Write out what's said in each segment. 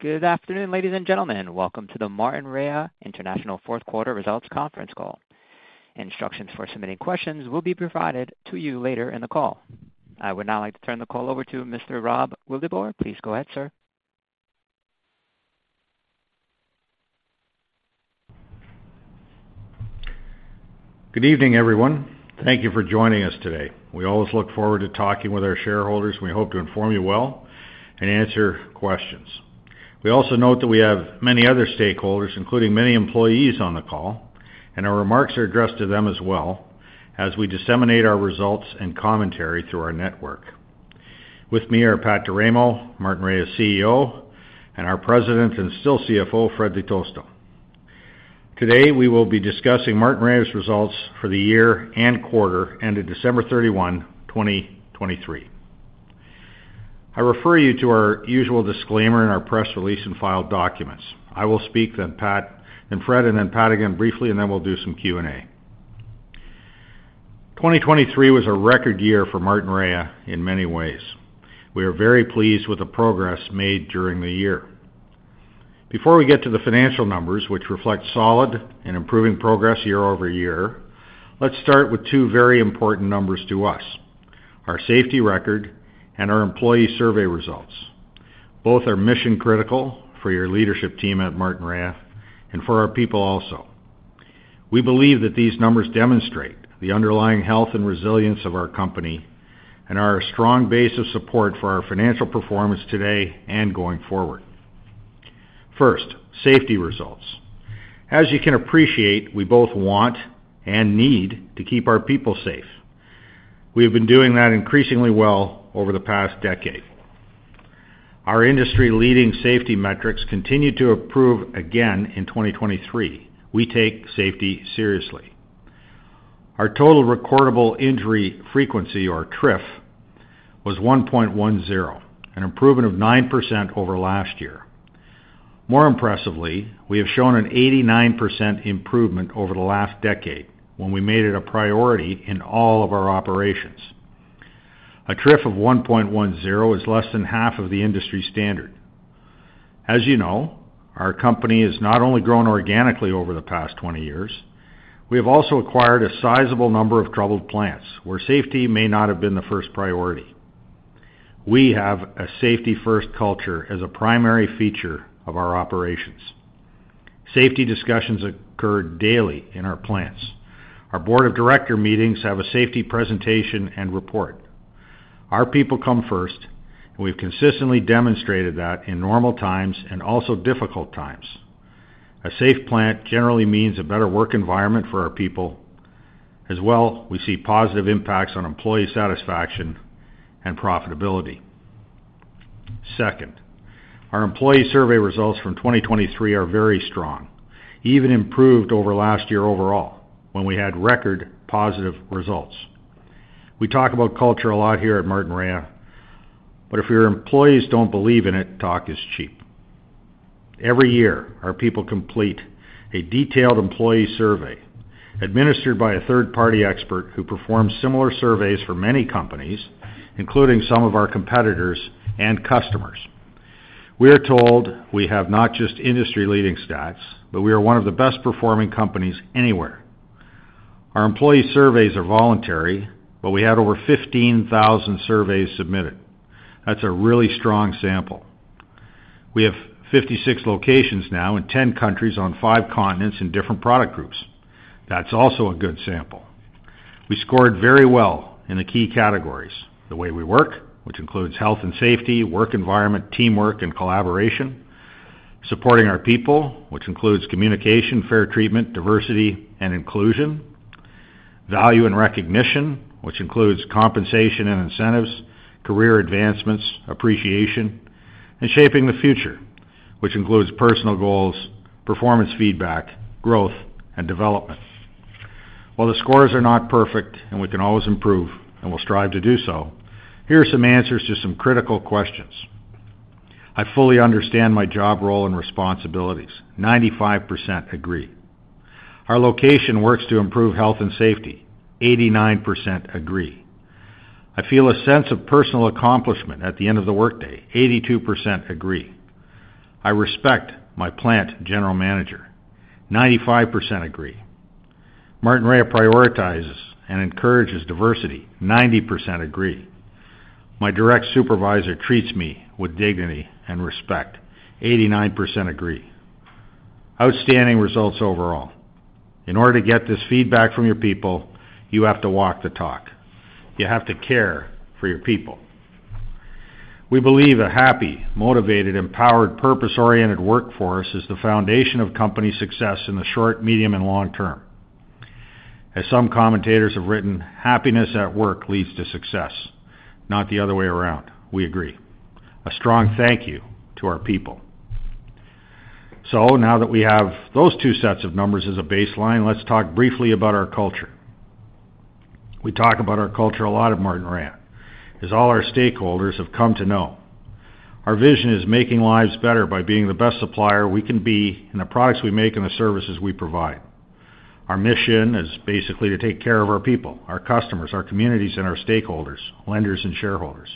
Good afternoon, ladies and gentlemen. Welcome to the Martinrea International Fourth Quarter Results Conference Call. Instructions for submitting questions will be provided to you later in the call. I would now like to turn the call over to Mr. Rob Wildeboer. Please go ahead, sir. Good evening, everyone. Thank you for joining us today. We always look forward to talking with our shareholders, and we hope to inform you well and answer questions. We also note that we have many other stakeholders, including many employees, on the call, and our remarks are addressed to them as well as we disseminate our results and commentary through our network. With me are Pat D'Eramo, Martinrea's CEO, and our president and still CFO, Fred Di Tosto. Today we will be discussing Martinrea's results for the year and quarter ended December 31, 2023. I refer you to our usual disclaimer in our press release and filed documents. I will speak, then Fred, and then Pat again briefly, and then we'll do some Q&A. 2023 was a record year for Martinrea in many ways. We are very pleased with the progress made during the year. Before we get to the financial numbers, which reflect solid and improving progress year-over-year, let's start with two very important numbers to us: our safety record and our employee survey results. Both are mission-critical for your leadership team at Martinrea and for our people also. We believe that these numbers demonstrate the underlying health and resilience of our company and are a strong base of support for our financial performance today and going forward. First, safety results. As you can appreciate, we both want and need to keep our people safe. We have been doing that increasingly well over the past decade. Our industry-leading safety metrics continue to improve again in 2023. We take safety seriously. Our Total Recordable Injury Frequency, or TRIF, was 1.10, an improvement of 9% over last year. More impressively, we have shown an 89% improvement over the last decade when we made it a priority in all of our operations. A TRIF of 1.10 is less than half of the industry standard. As you know, our company has not only grown organically over the past 20 years, we have also acquired a sizable number of troubled plants where safety may not have been the first priority. We have a safety-first culture as a primary feature of our operations. Safety discussions occur daily in our plants. Our board of director meetings have a safety presentation and report. Our people come first, and we've consistently demonstrated that in normal times and also difficult times. A safe plant generally means a better work environment for our people. As well, we see positive impacts on employee satisfaction and profitability. Second, our employee survey results from 2023 are very strong, even improved over last year overall when we had record positive results. We talk about culture a lot here at Martinrea, but if your employees don't believe in it, talk is cheap. Every year, our people complete a detailed employee survey administered by a third-party expert who performs similar surveys for many companies, including some of our competitors and customers. We are told we have not just industry-leading stats, but we are one of the best-performing companies anywhere. Our employee surveys are voluntary, but we had over 15,000 surveys submitted. That's a really strong sample. We have 56 locations now in 10 countries on five continents in different product groups. That's also a good sample. We scored very well in the key categories: the way we work, which includes health and safety, work environment, teamwork, and collaboration, supporting our people, which includes communication, fair treatment, diversity, and inclusion, value and recognition, which includes compensation and incentives, career advancements, appreciation, and shaping the future, which includes personal goals, performance feedback, growth, and development. While the scores are not perfect and we can always improve and will strive to do so, here are some answers to some critical questions. I fully understand my job role and responsibilities. 95% agree. Our location works to improve health and safety. 89% agree. I feel a sense of personal accomplishment at the end of the workday. 82% agree. I respect my plant general manager. 95% agree. Martinrea prioritizes and encourages diversity. 90% agree. My direct supervisor treats me with dignity and respect. 89% agree. Outstanding results overall. In order to get this feedback from your people, you have to walk the talk. You have to care for your people. We believe a happy, motivated, empowered, purpose-oriented workforce is the foundation of company success in the short, medium, and long term. As some commentators have written, happiness at work leads to success, not the other way around. We agree. A strong thank you to our people. So now that we have those two sets of numbers as a baseline, let's talk briefly about our culture. We talk about our culture a lot at Martinrea, as all our stakeholders have come to know. Our vision is making lives better by being the best supplier we can be in the products we make and the services we provide. Our mission is basically to take care of our people, our customers, our communities, and our stakeholders, lenders, and shareholders.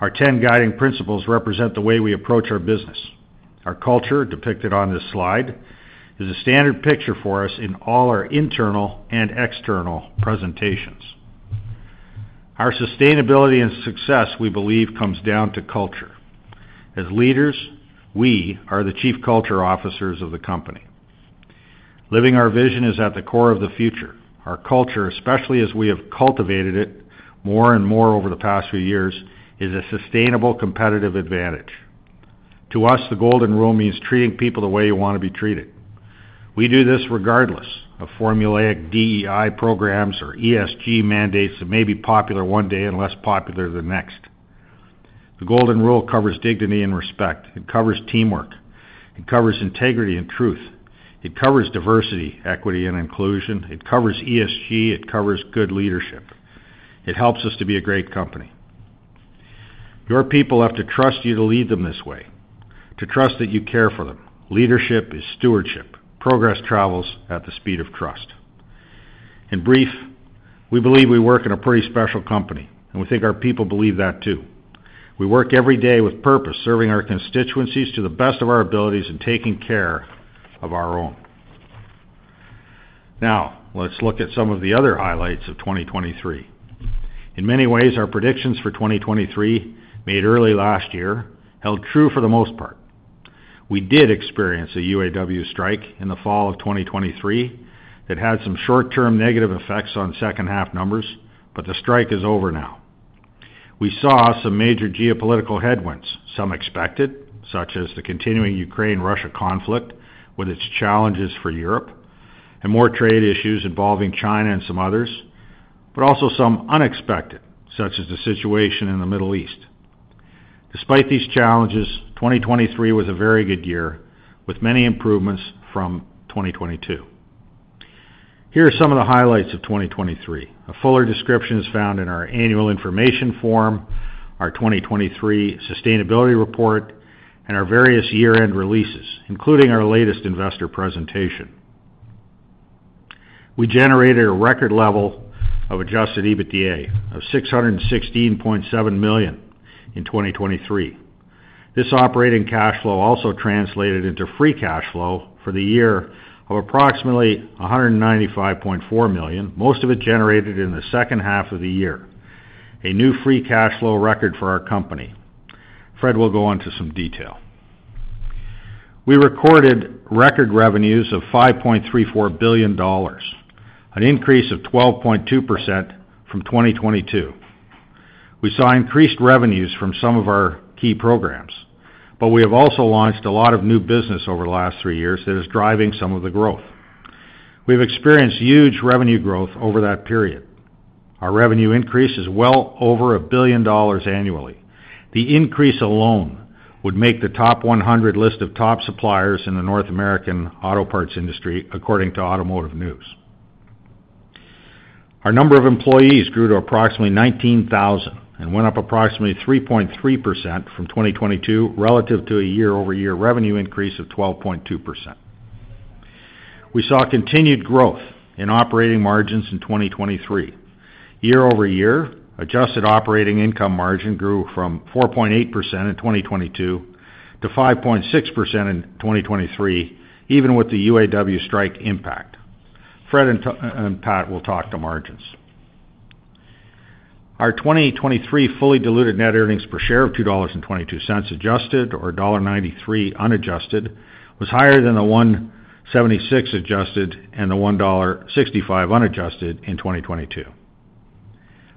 Our 10 guiding principles represent the way we approach our business. Our culture, depicted on this slide, is a standard picture for us in all our internal and external presentations. Our sustainability and success, we believe, comes down to culture. As leaders, we are the chief culture officers of the company. Living our vision is at the core of the future. Our culture, especially as we have cultivated it more and more over the past few years, is a sustainable competitive advantage. To us, the golden rule means treating people the way you want to be treated. We do this regardless of formulaic DEI programs or ESG mandates that may be popular one day and less popular the next. The golden rule covers dignity and respect. It covers teamwork. It covers integrity and truth. It covers diversity, equity, and inclusion. It covers ESG. It covers good leadership. It helps us to be a great company. Your people have to trust you to lead them this way, to trust that you care for them. Leadership is stewardship. Progress travels at the speed of trust. In brief, we believe we work in a pretty special company, and we think our people believe that too. We work every day with purpose, serving our constituencies to the best of our abilities and taking care of our own. Now let's look at some of the other highlights of 2023. In many ways, our predictions for 2023 made early last year held true for the most part. We did experience a UAW strike in the fall of 2023 that had some short-term negative effects on second-half numbers, but the strike is over now. We saw some major geopolitical headwinds, some expected, such as the continuing Ukraine-Russia conflict with its challenges for Europe and more trade issues involving China and some others, but also some unexpected, such as the situation in the Middle East. Despite these challenges, 2023 was a very good year with many improvements from 2022. Here are some of the highlights of 2023. A fuller description is found in our annual information form, our 2023 sustainability report, and our various year-end releases, including our latest investor presentation. We generated a record level of Adjusted EBITDA of 616.7 million in 2023. This operating cash flow also translated into free cash flow for the year of approximately 195.4 million, most of it generated in the second half of the year, a new free cash flow record for our company. Fred will go into some detail. We recorded record revenues of $5.34 billion, an increase of 12.2% from 2022. We saw increased revenues from some of our key programs, but we have also launched a lot of new business over the last three years that is driving some of the growth. We've experienced huge revenue growth over that period. Our revenue increase is well over $1 billion annually. The increase alone would make the top 100 list of top suppliers in the North American auto parts industry, according to Automotive News. Our number of employees grew to approximately 19,000 and went up approximately 3.3% from 2022 relative to a year-over-year revenue increase of 12.2%. We saw continued growth in operating margins in 2023. Year-over-year, adjusted operating income margin grew from 4.8% in 2022 to 5.6% in 2023, even with the UAW strike impact. Fred and Pat will talk to margins. Our 2023 fully diluted net earnings per share of 2.22 dollars adjusted or dollar 1.93 unadjusted was higher than the 1.76 adjusted and the 1.65 dollar unadjusted in 2022.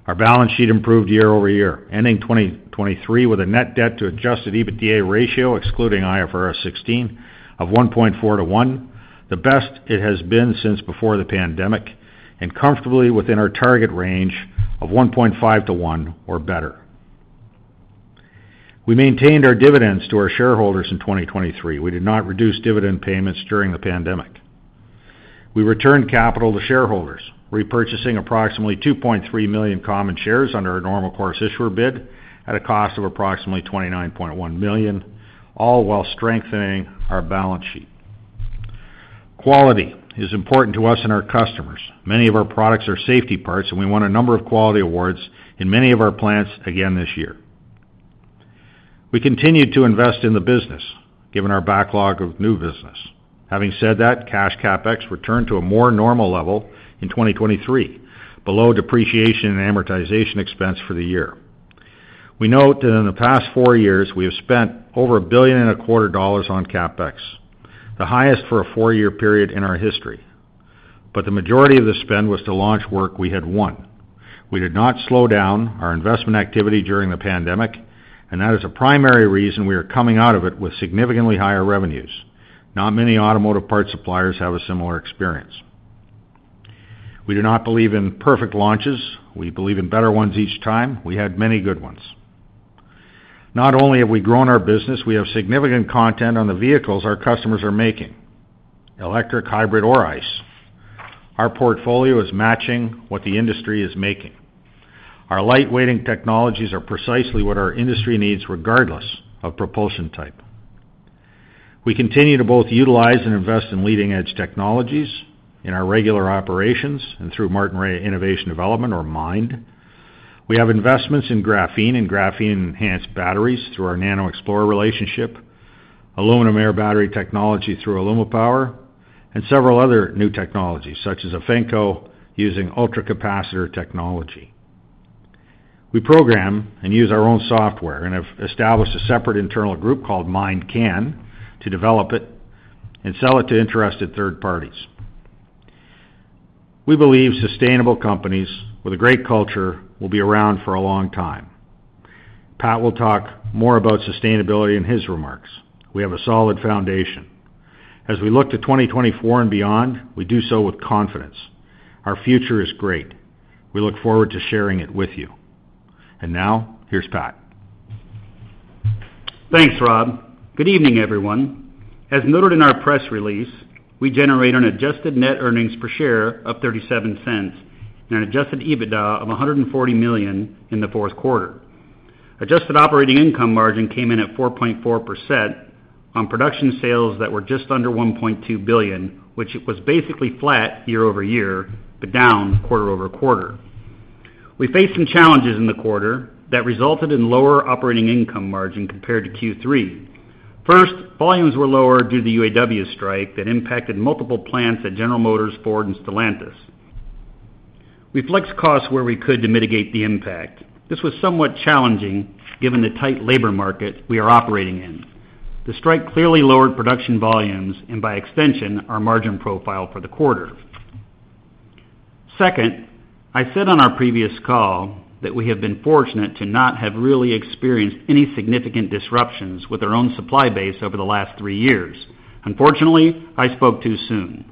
Our balance sheet improved year over year, ending 2023 with a net debt to adjusted EBITDA ratio, excluding IFRS 16, of 1.4-1, the best it has been since before the pandemic, and comfortably within our target range of 1.5-1 or better. We maintained our dividends to our shareholders in 2023. We did not reduce dividend payments during the pandemic. We returned capital to shareholders, repurchasing approximately 2.3 million common shares under our normal course issuer bid at a cost of approximately 29.1 million, all while strengthening our balance sheet. Quality is important to us and our customers. Many of our products are safety parts, and we won a number of quality awards in many of our plants again this year. We continued to invest in the business given our backlog of new business. Having said that, cash CapEx returned to a more normal level in 2023, below depreciation and amortization expense for the year. We note that in the past four years, we have spent over 1.25 billion on CapEx, the highest for a four-year period in our history. But the majority of the spend was to launch work we had won. We did not slow down our investment activity during the pandemic, and that is a primary reason we are coming out of it with significantly higher revenues. Not many automotive parts suppliers have a similar experience. We do not believe in perfect launches. We believe in better ones each time. We had many good ones. Not only have we grown our business, we have significant content on the vehicles our customers are making, electric, hybrid, or ICE. Our portfolio is matching what the industry is making. Our lightweighting technologies are precisely what our industry needs regardless of propulsion type. We continue to both utilize and invest in leading-edge technologies in our regular operations and through Martinrea Innovation Development, or MIND. We have investments in graphene and graphene-enhanced batteries through our NanoXplore relationship, aluminum-air battery technology through AlumaPower, and several other new technologies such as Effenco using ultracapacitor technology. We program and use our own software and have established a separate internal group called MiNDCAN to develop it and sell it to interested third parties. We believe sustainable companies with a great culture will be around for a long time. Pat will talk more about sustainability in his remarks. We have a solid foundation. As we look to 2024 and beyond, we do so with confidence. Our future is great. We look forward to sharing it with you. And now here's Pat. Thanks, Rob. Good evening, everyone. As noted in our press release, we generate an adjusted net earnings per share of 0.37 and an Adjusted EBITDA of 140 million in the fourth quarter. Adjusted operating income margin came in at 4.4% on production sales that were just under 1.2 billion, which was basically flat year over year but down quarter over quarter. We faced some challenges in the quarter that resulted in lower operating income margin compared to Q3. First, volumes were lower due to the UAW strike that impacted multiple plants at General Motors, Ford, and Stellantis. We flexed costs where we could to mitigate the impact. This was somewhat challenging given the tight labor market we are operating in. The strike clearly lowered production volumes and, by extension, our margin profile for the quarter. Second, I said on our previous call that we have been fortunate to not have really experienced any significant disruptions with our own supply base over the last three years. Unfortunately, I spoke too soon.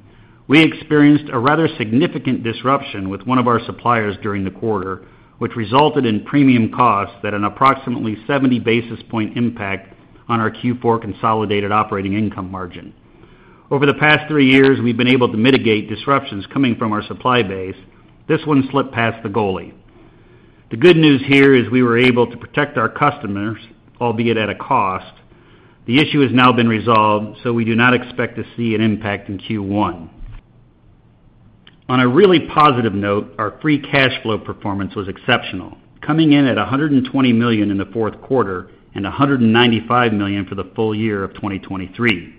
We experienced a rather significant disruption with one of our suppliers during the quarter, which resulted in premium costs that had an approximately 70 basis point impact on our Q4 consolidated operating income margin. Over the past three years, we've been able to mitigate disruptions coming from our supply base. This one slipped past the goalie. The good news here is we were able to protect our customers, albeit at a cost. The issue has now been resolved, so we do not expect to see an impact in Q1. On a really positive note, our free cash flow performance was exceptional, coming in at 120 million in the fourth quarter and 195 million for the full year of 2023.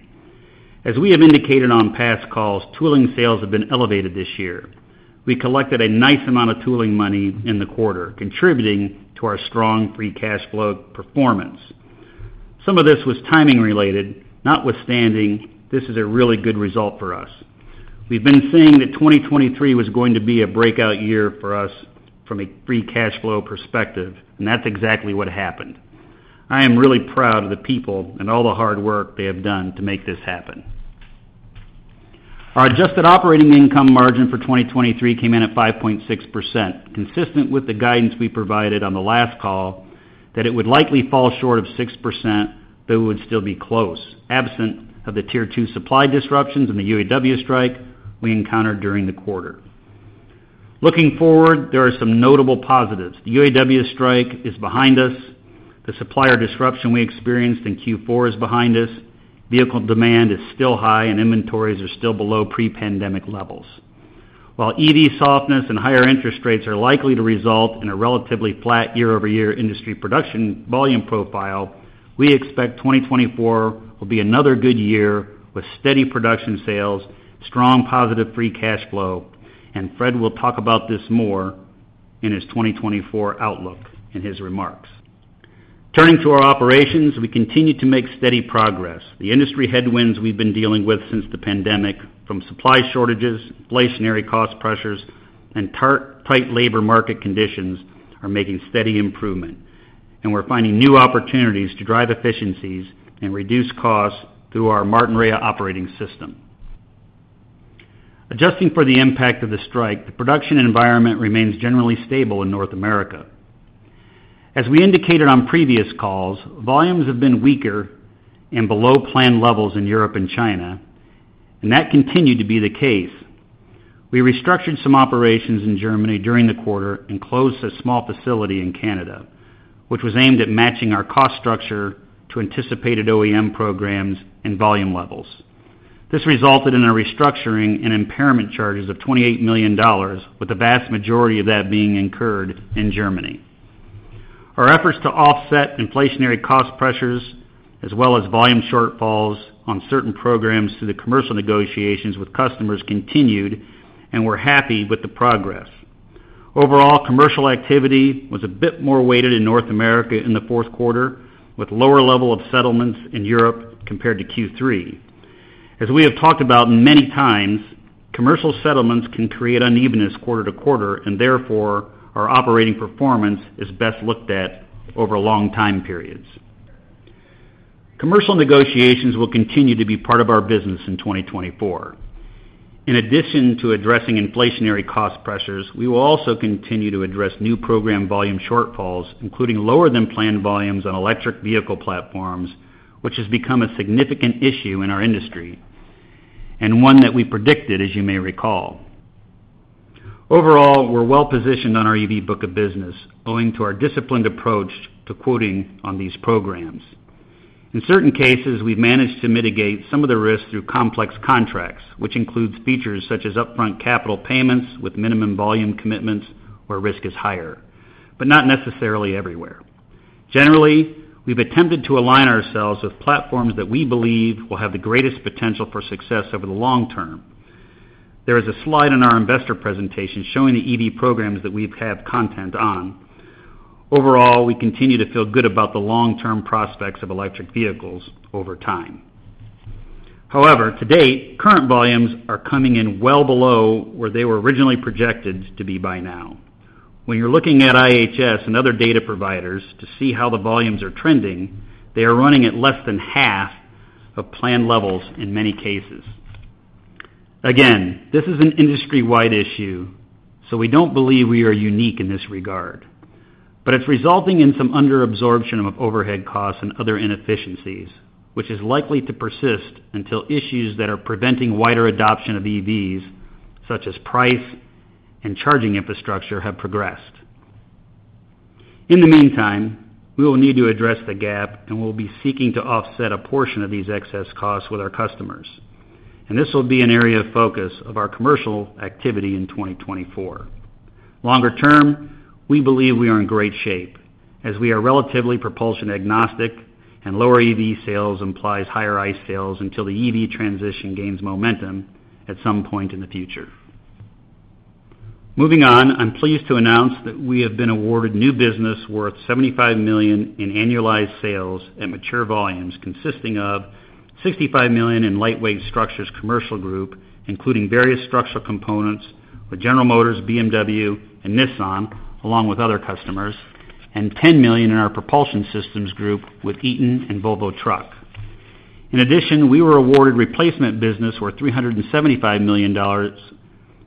As we have indicated on past calls, tooling sales have been elevated this year. We collected a nice amount of tooling money in the quarter, contributing to our strong free cash flow performance. Some of this was timing-related, notwithstanding this is a really good result for us. We've been saying that 2023 was going to be a breakout year for us from a free cash flow perspective, and that's exactly what happened. I am really proud of the people and all the hard work they have done to make this happen. Our adjusted operating income margin for 2023 came in at 5.6%, consistent with the guidance we provided on the last call that it would likely fall short of 6%, but it would still be close, absent of the tier two supply disruptions and the UAW strike we encountered during the quarter. Looking forward, there are some notable positives. The UAW strike is behind us. The supplier disruption we experienced in Q4 is behind us. Vehicle demand is still high, and inventories are still below pre-pandemic levels. While EV softness and higher interest rates are likely to result in a relatively flat year-over-year industry production volume profile, we expect 2024 will be another good year with steady production sales, strong positive free cash flow. Fred will talk about this more in his 2024 outlook in his remarks. Turning to our operations, we continue to make steady progress. The industry headwinds we've been dealing with since the pandemic, from supply shortages, inflationary cost pressures, and tight labor market conditions, are making steady improvement, and we're finding new opportunities to drive efficiencies and reduce costs through our Martinrea operating system. Adjusting for the impact of the strike, the production environment remains generally stable in North America. As we indicated on previous calls, volumes have been weaker and below planned levels in Europe and China, and that continued to be the case. We restructured some operations in Germany during the quarter and closed a small facility in Canada, which was aimed at matching our cost structure to anticipated OEM programs and volume levels. This resulted in a restructuring and impairment charges of 28 million dollars, with the vast majority of that being incurred in Germany. Our efforts to offset inflationary cost pressures as well as volume shortfalls on certain programs through the commercial negotiations with customers continued, and we're happy with the progress. Overall, commercial activity was a bit more weighted in North America in the fourth quarter, with a lower level of settlements in Europe compared to Q3. As we have talked about many times, commercial settlements can create unevenness quarter to quarter, and therefore our operating performance is best looked at over long time periods. Commercial negotiations will continue to be part of our business in 2024. In addition to addressing inflationary cost pressures, we will also continue to address new program volume shortfalls, including lower than planned volumes on electric vehicle platforms, which has become a significant issue in our industry and one that we predicted, as you may recall. Overall, we're well positioned on our EV book of business, owing to our disciplined approach to quoting on these programs. In certain cases, we've managed to mitigate some of the risks through complex contracts, which includes features such as upfront capital payments with minimum volume commitments where risk is higher, but not necessarily everywhere. Generally, we've attempted to align ourselves with platforms that we believe will have the greatest potential for success over the long term. There is a slide in our investor presentation showing the EV programs that we have content on. Overall, we continue to feel good about the long-term prospects of electric vehicles over time. However, to date, current volumes are coming in well below where they were originally projected to be by now. When you're looking at IHS and other data providers to see how the volumes are trending, they are running at less than half of planned levels in many cases. Again, this is an industry-wide issue, so we don't believe we are unique in this regard, but it's resulting in some underabsorption of overhead costs and other inefficiencies, which is likely to persist until issues that are preventing wider adoption of EVs, such as price and charging infrastructure, have progressed. In the meantime, we will need to address the gap, and we'll be seeking to offset a portion of these excess costs with our customers. This will be an area of focus of our commercial activity in 2024. Longer term, we believe we are in great shape as we are relatively propulsion agnostic, and lower EV sales implies higher ICE sales until the EV transition gains momentum at some point in the future. Moving on, I'm pleased to announce that we have been awarded new business worth $75 million in annualized sales at mature volumes consisting of $65 million in lightweight structures commercial group, including various structural components with General Motors, BMW, and Nissan, along with other customers, and $10 million in our propulsion systems group with Eaton and Volvo Truck. In addition, we were awarded replacement business worth $375 million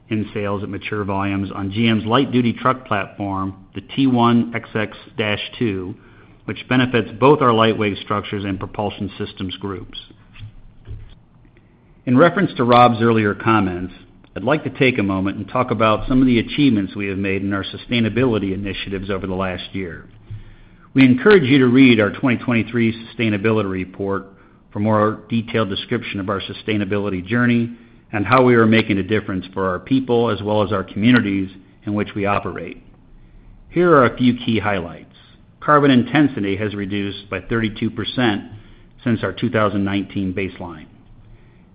in sales at mature volumes on GM's light-duty truck platform, the T1XX-2, which benefits both our lightweight structures and propulsion systems groups. In reference to Rob's earlier comments, I'd like to take a moment and talk about some of the achievements we have made in our sustainability initiatives over the last year. We encourage you to read our 2023 sustainability report for more detailed description of our sustainability journey and how we are making a difference for our people as well as our communities in which we operate. Here are a few key highlights. Carbon intensity has reduced by 32% since our 2019 baseline.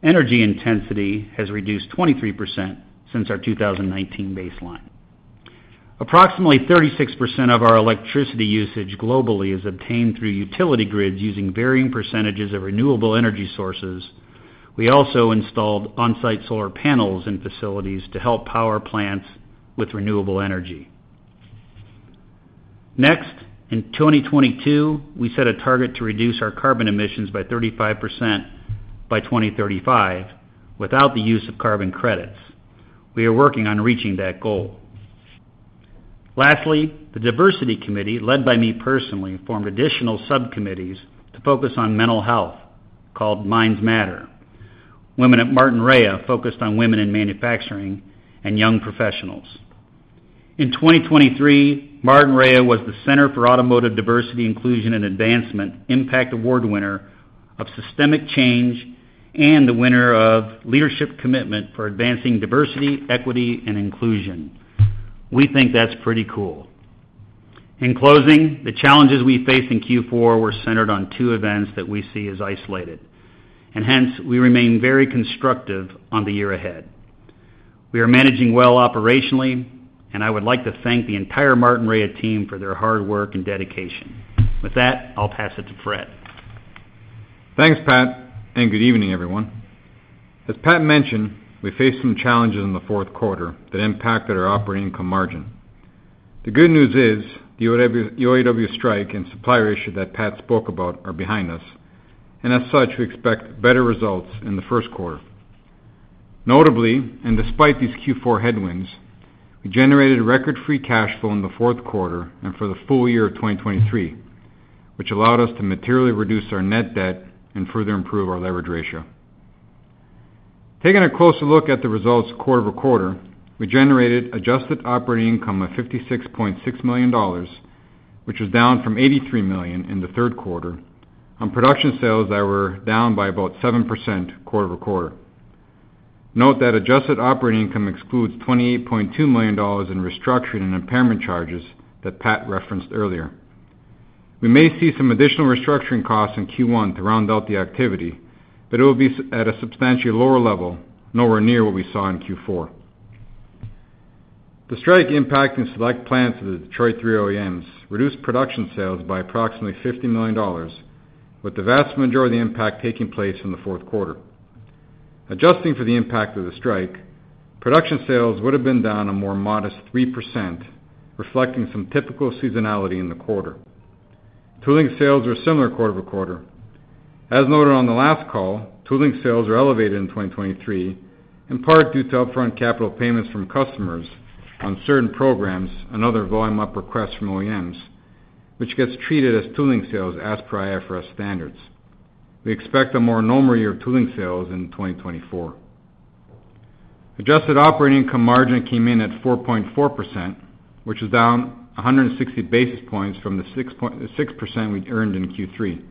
Energy intensity has reduced 23% since our 2019 baseline. Approximately 36% of our electricity usage globally is obtained through utility grids using varying percentages of renewable energy sources. We also installed on-site solar panels in facilities to help power plants with renewable energy. Next, in 2022, we set a target to reduce our carbon emissions by 35% by 2035 without the use of carbon credits. We are working on reaching that goal. Lastly, the Diversity Committee, led by me personally, formed additional subcommittees to focus on mental health called MINDS Matter. Women at Martinrea focused on women in manufacturing and young professionals. In 2023, Martinrea was the Center for Automotive Diversity, Inclusion, and Advancement Impact Award Winner of Systemic Change and the winner of Leadership Commitment for Advancing Diversity, Equity, and Inclusion. We think that's pretty cool. In closing, the challenges we faced in Q4 were centered on two events that we see as isolated, and hence we remain very constructive on the year ahead. We are managing well operationally, and I would like to thank the entire Martinrea team for their hard work and dedication. With that, I'll pass it to Fred. Thanks, Pat, and good evening, everyone. As Pat mentioned, we faced some challenges in the fourth quarter that impacted our operating income margin. The good news is the UAW strike and supplier issue that Pat spoke about are behind us, and as such, we expect better results in the first quarter. Notably, and despite these Q4 headwinds, we generated record free cash flow in the fourth quarter and for the full year of 2023, which allowed us to materially reduce our net debt and further improve our leverage ratio. Taking a closer look at the results quarter-over-quarter, we generated adjusted operating income of 56.6 million dollars, which was down from 83 million in the third quarter on production sales that were down by about 7% quarter-over-quarter. Note that adjusted operating income excludes 28.2 million dollars in restructuring and impairment charges that Pat referenced earlier. We may see some additional restructuring costs in Q1 to round out the activity, but it will be at a substantially lower level, nowhere near what we saw in Q4. The strike impacting select plants of the Detroit 3 OEMs reduced production sales by approximately $50 million, with the vast majority of the impact taking place in the fourth quarter. Adjusting for the impact of the strike, production sales would have been down a more modest 3%, reflecting some typical seasonality in the quarter. Tooling sales were similar quarter-over-quarter. As noted on the last call, tooling sales were elevated in 2023, in part due to upfront capital payments from customers on certain programs and other volume-up requests from OEMs, which gets treated as tooling sales as per IFRS standards. We expect a more normal year of tooling sales in 2024. Adjusted operating income margin came in at 4.4%, which is down 160 basis points from the 6% we earned in Q3.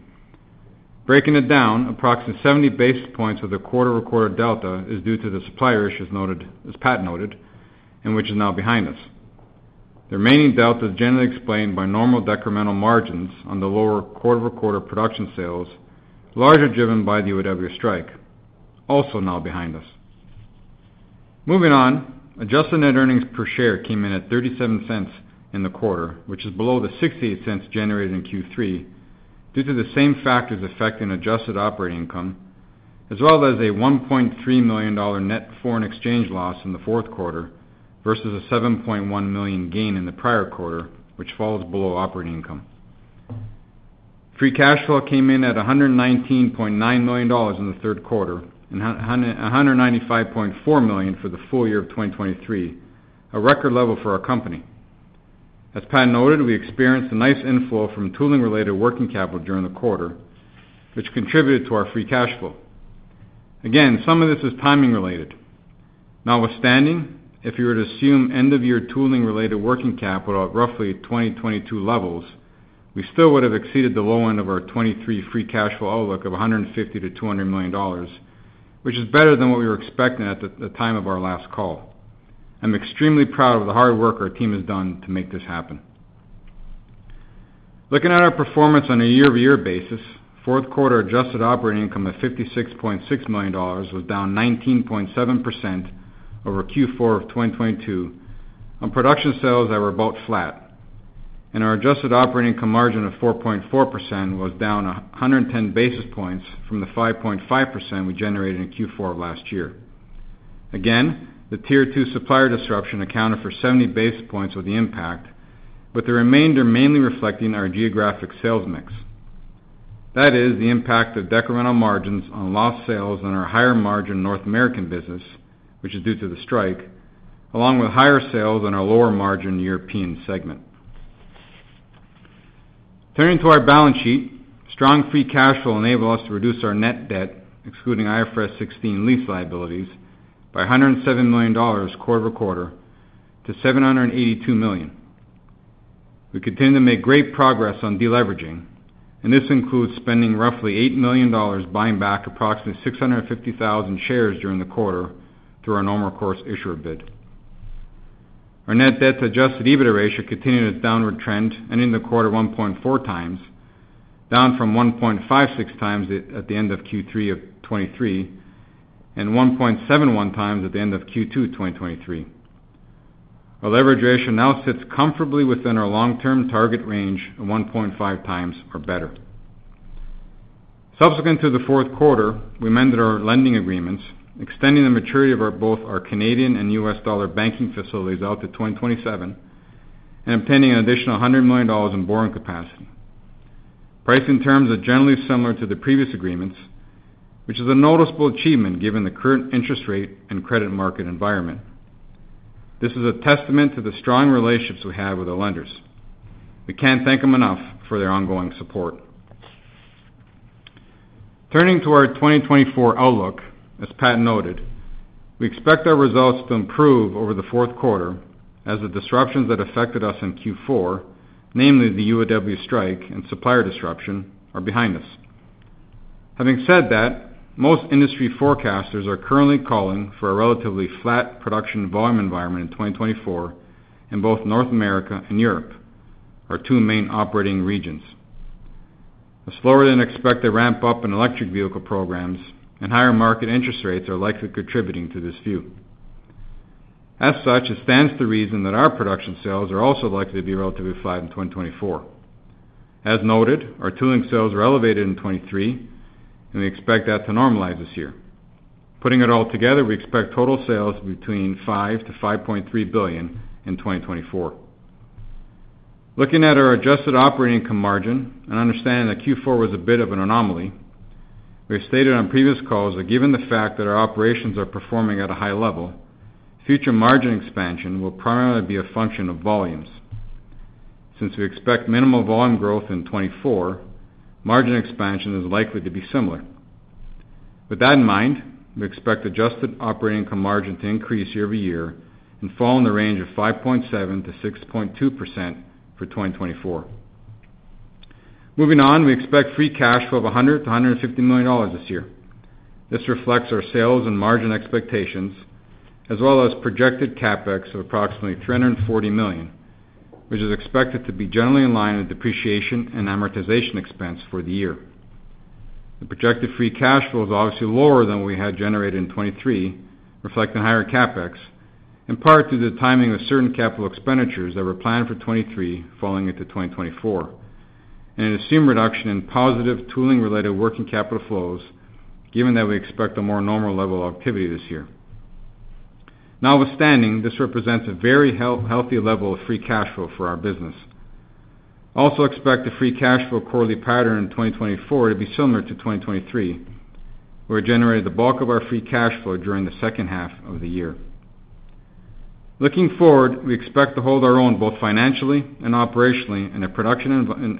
Breaking it down, approximately 70 basis points with a quarter-over-quarter delta is due to the supplier issues as Pat noted, and which is now behind us. The remaining delta is generally explained by normal decremental margins on the lower quarter-over-quarter production sales, largely driven by the UAW strike, also now behind us. Moving on, adjusted net earnings per share came in at 0.37 in the quarter, which is below the 0.68 generated in Q3 due to the same factors affecting adjusted operating income, as well as a 1.3 million dollar net foreign exchange loss in the fourth quarter versus a 7.1 million gain in the prior quarter, which falls below operating income. Free cash flow came in at 119.9 million dollars in the third quarter and 195.4 million for the full year of 2023, a record level for our company. As Pat noted, we experienced a nice inflow from tooling-related working capital during the quarter, which contributed to our free cash flow. Again, some of this is timing-related. Notwithstanding, if you were to assume end-of-year tooling-related working capital at roughly 2022 levels, we still would have exceeded the low end of our 2023 free cash flow outlook of 150 million-200 million dollars, which is better than what we were expecting at the time of our last call. I'm extremely proud of the hard work our team has done to make this happen. Looking at our performance on a year-over-year basis, fourth quarter adjusted operating income of 56.6 million dollars was down 19.7% over Q4 of 2022 on production sales that were about flat, and our adjusted operating income margin of 4.4% was down 110 basis points from the 5.5% we generated in Q4 of last year. Again, the tier two supplier disruption accounted for 70 basis points of the impact, with the remainder mainly reflecting our geographic sales mix. That is, the impact of decremental margins on lost sales on our higher margin North American business, which is due to the strike, along with higher sales on our lower margin European segment. Turning to our balance sheet, strong free cash flow enabled us to reduce our net debt, excluding IFRS 16 lease liabilities, by 107 million dollars quarter-over-quarter to 782 million. We continue to make great progress on deleveraging, and this includes spending roughly 8 million dollars buying back approximately 650,000 shares during the quarter through our normal course issuer bid. Our net debt to adjusted EBITDA ratio continued its downward trend ending the quarter 1.4 times, down from 1.56 times at the end of Q3 of 2023 and 1.71 times at the end of Q2 of 2023. Our leverage ratio now sits comfortably within our long-term target range of 1.5 times or better. Subsequent to the fourth quarter, we amended our lending agreements, extending the maturity of both our Canadian and U.S. dollar banking facilities out to 2027, and obtaining an additional 100 million dollars in borrowing capacity. Pricing terms are generally similar to the previous agreements, which is a noticeable achievement given the current interest rate and credit market environment. This is a testament to the strong relationships we have with our lenders. We can't thank them enough for their ongoing support. Turning to our 2024 outlook, as Pat noted, we expect our results to improve over the fourth quarter as the disruptions that affected us in Q4, namely the UAW strike and supplier disruption, are behind us. Having said that, most industry forecasters are currently calling for a relatively flat production volume environment in 2024 in both North America and Europe, our two main operating regions. A slower-than-expected ramp-up in electric vehicle programs and higher market interest rates are likely contributing to this view. As such, it stands to reason that our production sales are also likely to be relatively flat in 2024. As noted, our tooling sales were elevated in 2023, and we expect that to normalize this year. Putting it all together, we expect total sales between 5 billion-5.3 billion in 2024. Looking at our adjusted operating income margin and understanding that Q4 was a bit of an anomaly, we have stated on previous calls that given the fact that our operations are performing at a high level, future margin expansion will primarily be a function of volumes. Since we expect minimal volume growth in 2024, margin expansion is likely to be similar. With that in mind, we expect adjusted operating income margin to increase year-over-year and fall in the range of 5.7%-6.2% for 2024. Moving on, we expect free cash flow of 100 million-150 million dollars this year. This reflects our sales and margin expectations, as well as projected CapEx of approximately 340 million, which is expected to be generally in line with depreciation and amortization expense for the year. The projected free cash flow is obviously lower than what we had generated in 2023, reflecting higher CapEx, in part due to the timing of certain capital expenditures that were planned for 2023 falling into 2024, and an assumed reduction in positive tooling-related working capital flows given that we expect a more normal level of activity this year. Notwithstanding, this represents a very healthy level of free cash flow for our business. I also expect the free cash flow quarterly pattern in 2024 to be similar to 2023, where we generated the bulk of our free cash flow during the second half of the year. Looking forward, we expect to hold our own both financially and operationally in a production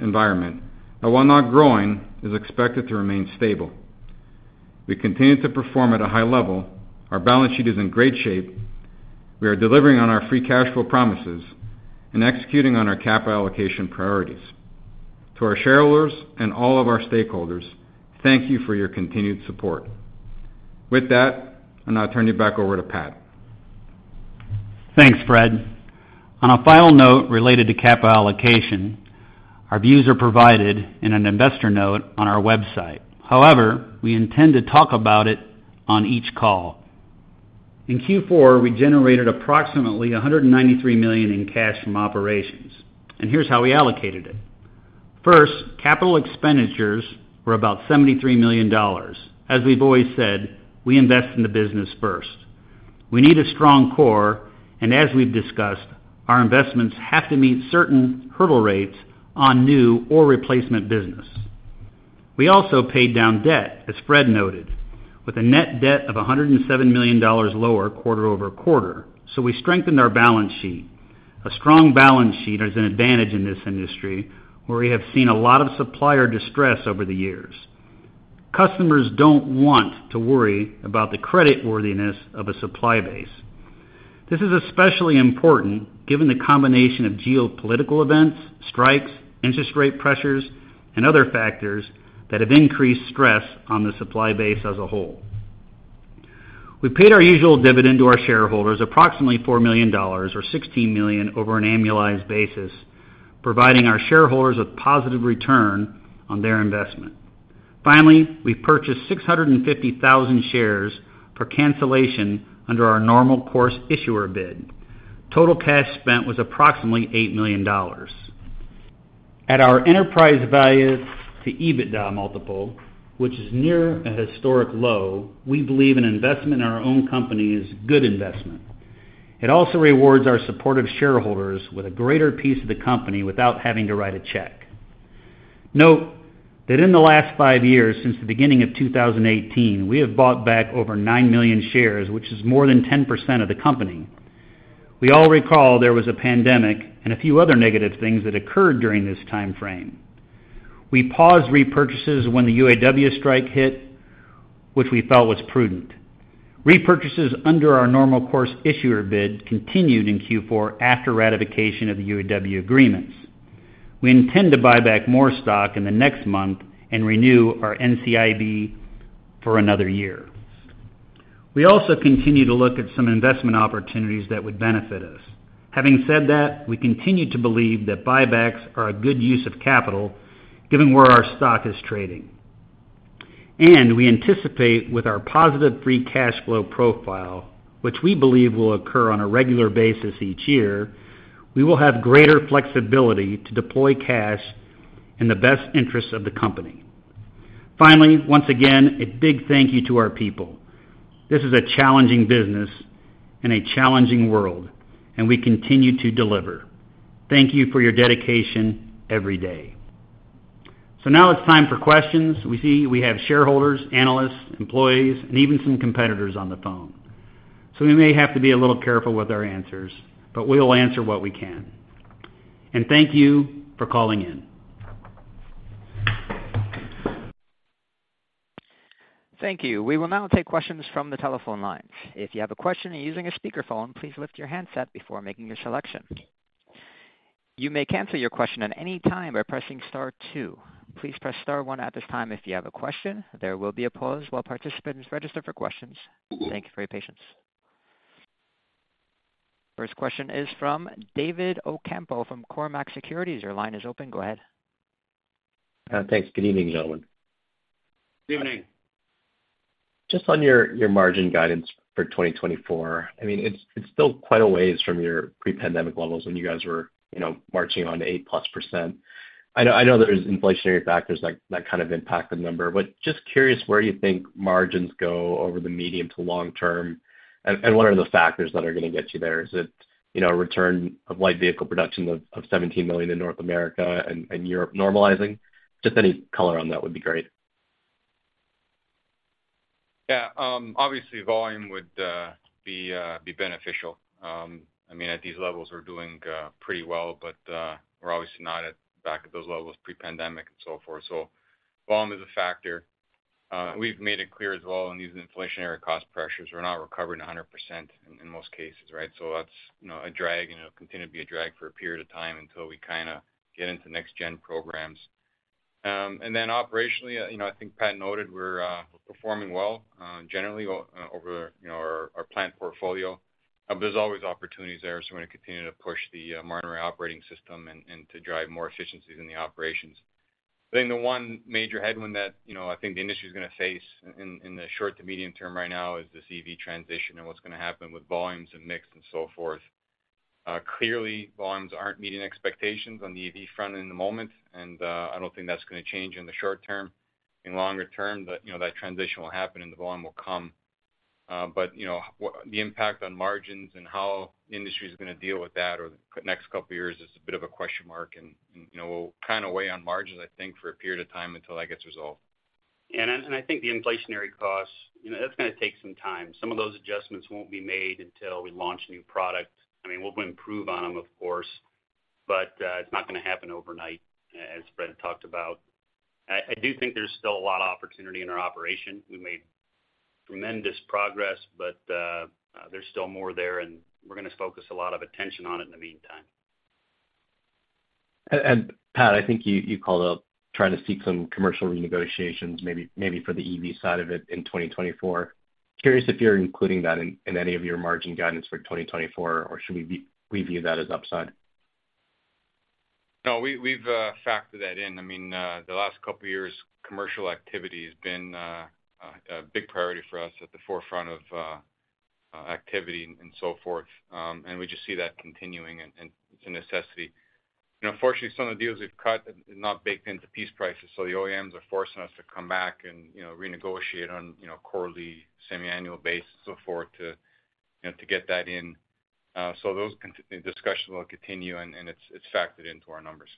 environment that, while not growing, is expected to remain stable. We continue to perform at a high level. Our balance sheet is in great shape. We are delivering on our free cash flow promises and executing on our capital allocation priorities. To our shareholders and all of our stakeholders, thank you for your continued support. With that, I'll now turn you back over to Pat. Thanks, Fred. On a final note related to capital allocation, our views are provided in an investor note on our website. However, we intend to talk about it on each call. In Q4, we generated approximately $193 million in cash from operations, and here's how we allocated it. First, capital expenditures were about $73 million. As we've always said, we invest in the business first. We need a strong core, and as we've discussed, our investments have to meet certain hurdle rates on new or replacement business. We also paid down debt, as Fred noted, with a net debt of $107 million lower quarter-over-quarter, so we strengthened our balance sheet. A strong balance sheet is an advantage in this industry, where we have seen a lot of supplier distress over the years. Customers don't want to worry about the creditworthiness of a supply base. This is especially important given the combination of geopolitical events, strikes, interest rate pressures, and other factors that have increased stress on the supply base as a whole. We paid our usual dividend to our shareholders, approximately 4 million dollars or 16 million over an annualized basis, providing our shareholders with positive return on their investment. Finally, we purchased 650,000 shares for cancellation under our normal course issuer bid. Total cash spent was approximately 8 million dollars. At our enterprise value to EBITDA multiple, which is near a historic low, we believe an investment in our own company is a good investment. It also rewards our supportive shareholders with a greater piece of the company without having to write a check. Note that in the last 5 years since the beginning of 2018, we have bought back over nine million shares, which is more than 10% of the company. We all recall there was a pandemic and a few other negative things that occurred during this time frame. We paused repurchases when the UAW strike hit, which we felt was prudent. Repurchases under our normal course issuer bid continued in Q4 after ratification of the UAW agreements. We intend to buy back more stock in the next month and renew our NCIB for another year. We also continue to look at some investment opportunities that would benefit us. Having said that, we continue to believe that buybacks are a good use of capital given where our stock is trading. We anticipate, with our positive free cash flow profile, which we believe will occur on a regular basis each year, we will have greater flexibility to deploy cash in the best interests of the company. Finally, once again, a big thank you to our people. This is a challenging business and a challenging world, and we continue to deliver. Thank you for your dedication every day. So now it's time for questions. We see we have shareholders, analysts, employees, and even some competitors on the phone. So we may have to be a little careful with our answers, but we'll answer what we can. Thank you for calling in. Thank you. We will now take questions from the telephone lines. If you have a question and are using a speakerphone, please lift your handset before making your selection. You may cancel your question at any time by pressing star two. Please press star one at this time if you have a question. There will be a pause while participants register for questions. Thank you for your patience. First question is from David Ocampo from Cormark Securities. Your line is open. Go ahead. Thanks. Good evening, gentlemen. Good evening. Just on your margin guidance for 2024, I mean, it's still quite a ways from your pre-pandemic levels when you guys were marching on 8%+. I know there's inflationary factors that kind of impact the number, but just curious where you think margins go over the medium to long term, and what are the factors that are going to get you there? Is it a return of light vehicle production of 17 million in North America and Europe normalizing? Just any color on that would be great. Yeah. Obviously, volume would be beneficial. I mean, at these levels, we're doing pretty well, but we're obviously not at the back of those levels pre-pandemic and so forth. So volume is a factor. We've made it clear as well in these inflationary cost pressures, we're not recovering 100% in most cases, right? So that's a drag, and it'll continue to be a drag for a period of time until we kind of get into next-gen programs. And then operationally, I think Pat noted we're performing well generally over our plant portfolio. But there's always opportunities there, so we're going to continue to push the Martinrea operating system and to drive more efficiencies in the operations. I think the one major headwind that I think the industry is going to face in the short to medium term right now is this EV transition and what's going to happen with volumes and mix and so forth. Clearly, volumes aren't meeting expectations on the EV front in the moment, and I don't think that's going to change in the short term. In longer term, that transition will happen, and the volume will come. But the impact on margins and how the industry is going to deal with that over the next couple of years is a bit of a question mark, and we'll kind of weigh on margins, I think, for a period of time until that gets resolved. I think the inflationary costs, that's going to take some time. Some of those adjustments won't be made until we launch a new product. I mean, we'll improve on them, of course, but it's not going to happen overnight, as Fred talked about. I do think there's still a lot of opportunity in our operation. We made tremendous progress, but there's still more there, and we're going to focus a lot of attention on it in the meantime. Pat, I think you called up trying to seek some commercial renegotiations, maybe for the EV side of it in 2024. Curious if you're including that in any of your margin guidance for 2024, or should we view that as upside? No, we've factored that in. I mean, the last couple of years, commercial activity has been a big priority for us at the forefront of activity and so forth, and we just see that continuing, and it's a necessity. Unfortunately, some of the deals we've cut are not baked into piece prices, so the OEMs are forcing us to come back and renegotiate on a quarterly, semiannual basis and so forth to get that in. Those discussions will continue, and it's factored into our numbers.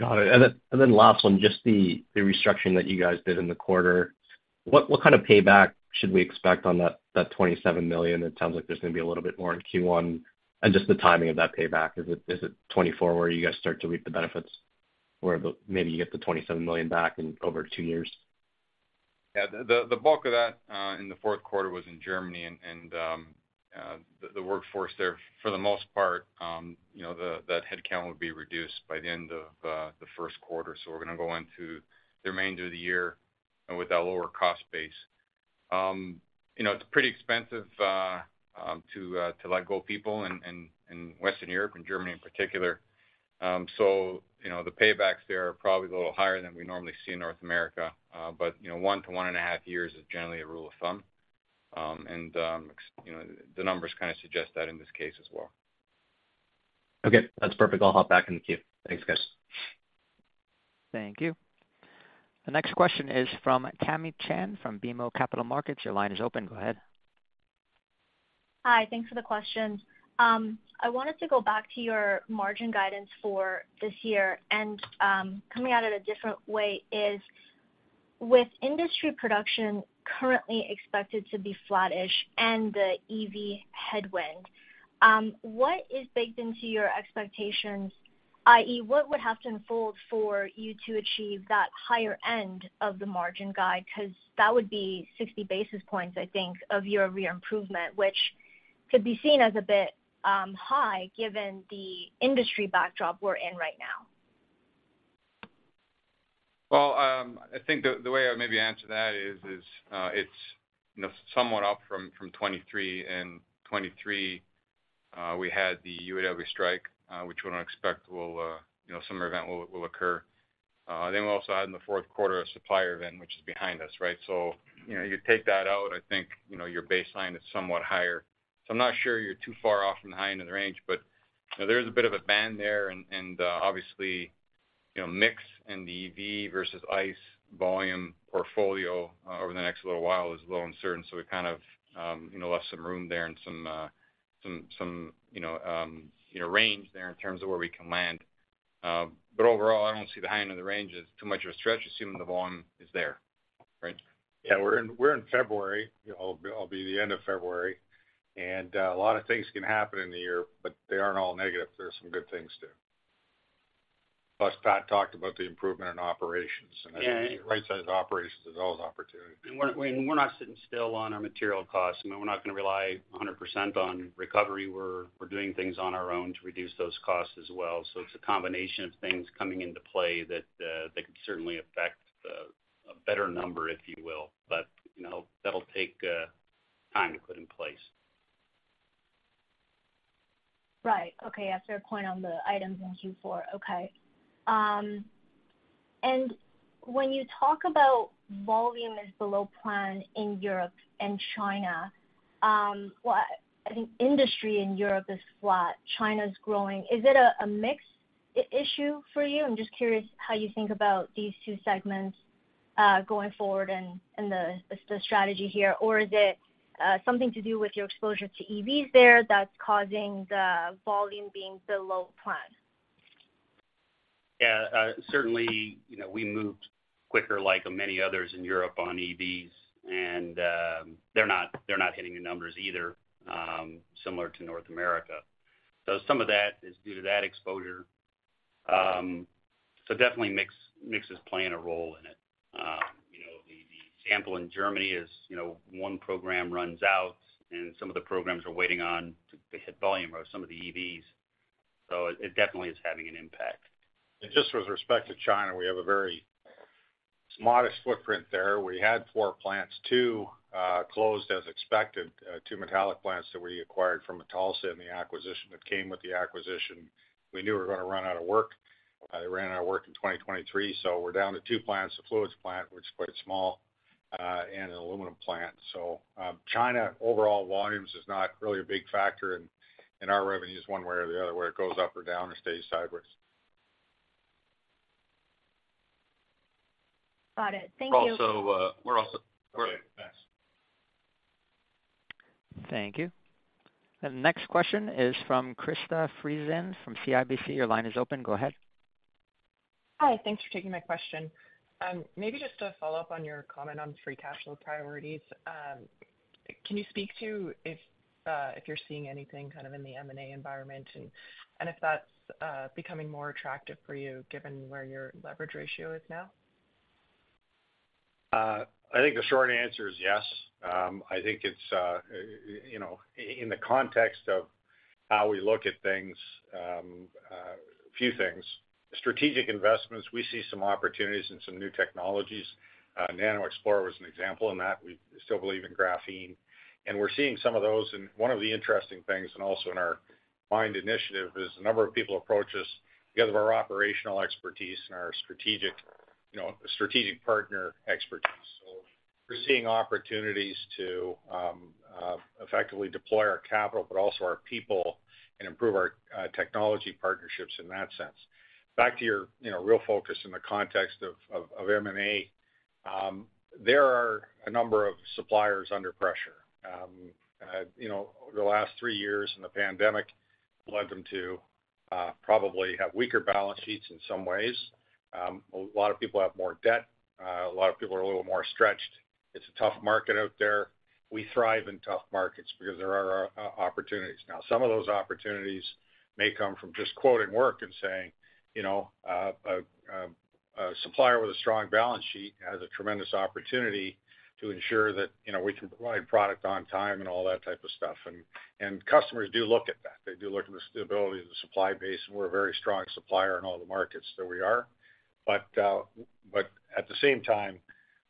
Got it. And then last one, just the restructuring that you guys did in the quarter, what kind of payback should we expect on that 27 million? It sounds like there's going to be a little bit more in Q1. And just the timing of that payback, is it 2024 where you guys start to reap the benefits, where maybe you get the 27 million back in over two years? Yeah. The bulk of that in the fourth quarter was in Germany, and the workforce there, for the most part, that headcount would be reduced by the end of the first quarter. So we're going to go into the remainder of the year with that lower cost base. It's pretty expensive to let go of people in Western Europe, in Germany in particular. So the paybacks there are probably a little higher than we normally see in North America, but 1-1.5 years is generally a rule of thumb, and the numbers kind of suggest that in this case as well. Okay. That's perfect. I'll hop back in the queue. Thanks, guys. Thank you. The next question is from Tamy Chen from BMO Capital Markets. Your line is open. Go ahead. Hi. Thanks for the questions. I wanted to go back to your margin guidance for this year, and coming at it a different way is, with industry production currently expected to be flat-ish and the EV headwind, what is baked into your expectations, i.e., what would have to unfold for you to achieve that higher end of the margin guide? Because that would be 60 basis points, I think, of year-over-year improvement, which could be seen as a bit high given the industry backdrop we're in right now. Well, I think the way I would maybe answer that is it's somewhat up from 2023, and 2023, we had the UAW strike, which we don't expect will occur. Then we also had, in the fourth quarter, a supplier event, which is behind us, right? So you take that out, I think your baseline is somewhat higher. So I'm not sure you're too far off from the high end of the range, but there is a bit of a band there. And obviously, mix and the EV versus ICE volume portfolio over the next little while is a little uncertain, so we kind of left some room there and some range there in terms of where we can land. But overall, I don't see the high end of the range as too much of a stretch, assuming the volume is there, right? Yeah. We're in February. It'll be the end of February, and a lot of things can happen in the year, but they aren't all negative. There are some good things too. Plus, Pat talked about the improvement in operations, and I think right-sized operations is always opportunity. We're not sitting still on our material costs. I mean, we're not going to rely 100% on recovery. We're doing things on our own to reduce those costs as well. It's a combination of things coming into play that could certainly affect a better number, if you will, but that'll take time to put in place. Right. Okay. That's a fair point on the items in Q4. Okay. And when you talk about volume is below plan in Europe and China, well, I think industry in Europe is flat. China's growing. Is it a mix issue for you? I'm just curious how you think about these two segments going forward and the strategy here, or is it something to do with your exposure to EVs there that's causing the volume being below plan? Yeah. Certainly, we moved quicker, like many others in Europe, on EVs, and they're not hitting the numbers either, similar to North America. So some of that is due to that exposure. So definitely, mix is playing a role in it. The sample in Germany is one program runs out, and some of the programs are waiting on to hit volume or some of the EVs. So it definitely is having an impact. Just with respect to China, we have a very modest footprint there. We had four plants, two closed as expected, two metallic plants that we acquired from Metalsa in the acquisition that came with the acquisition. We knew we were going to run out of work. They ran out of work in 2023, so we're down to two plants, a fluids plant, which is quite small, and an aluminum plant. So China, overall, volumes is not really a big factor in our revenues one way or the other. Whether it goes up or down or stays sideways. Got it. Thank you. We're also. Okay. Thanks. Thank you. The next question is from Krista Friesen from CIBC. Your line is open. Go ahead. Hi. Thanks for taking my question. Maybe just to follow up on your comment on free cash flow priorities, can you speak to if you're seeing anything kind of in the M&A environment and if that's becoming more attractive for you given where your leverage ratio is now? I think the short answer is yes. I think it's in the context of how we look at things, a few things. Strategic investments, we see some opportunities in some new technologies. NanoXplore was an example in that. We still believe in graphene, and we're seeing some of those. And one of the interesting things and also in our MIND initiative is the number of people approach us because of our operational expertise and our strategic partner expertise. So we're seeing opportunities to effectively deploy our capital but also our people and improve our technology partnerships in that sense. Back to your real focus in the context of M&A, there are a number of suppliers under pressure. Over the last three years, and the pandemic led them to probably have weaker balance sheets in some ways. A lot of people have more debt. A lot of people are a little more stretched. It's a tough market out there. We thrive in tough markets because there are opportunities. Now, some of those opportunities may come from just quoting work and saying, "A supplier with a strong balance sheet has a tremendous opportunity to ensure that we can provide product on time and all that type of stuff." Customers do look at that. They do look at the stability of the supply base, and we're a very strong supplier in all the markets that we are. But at the same time,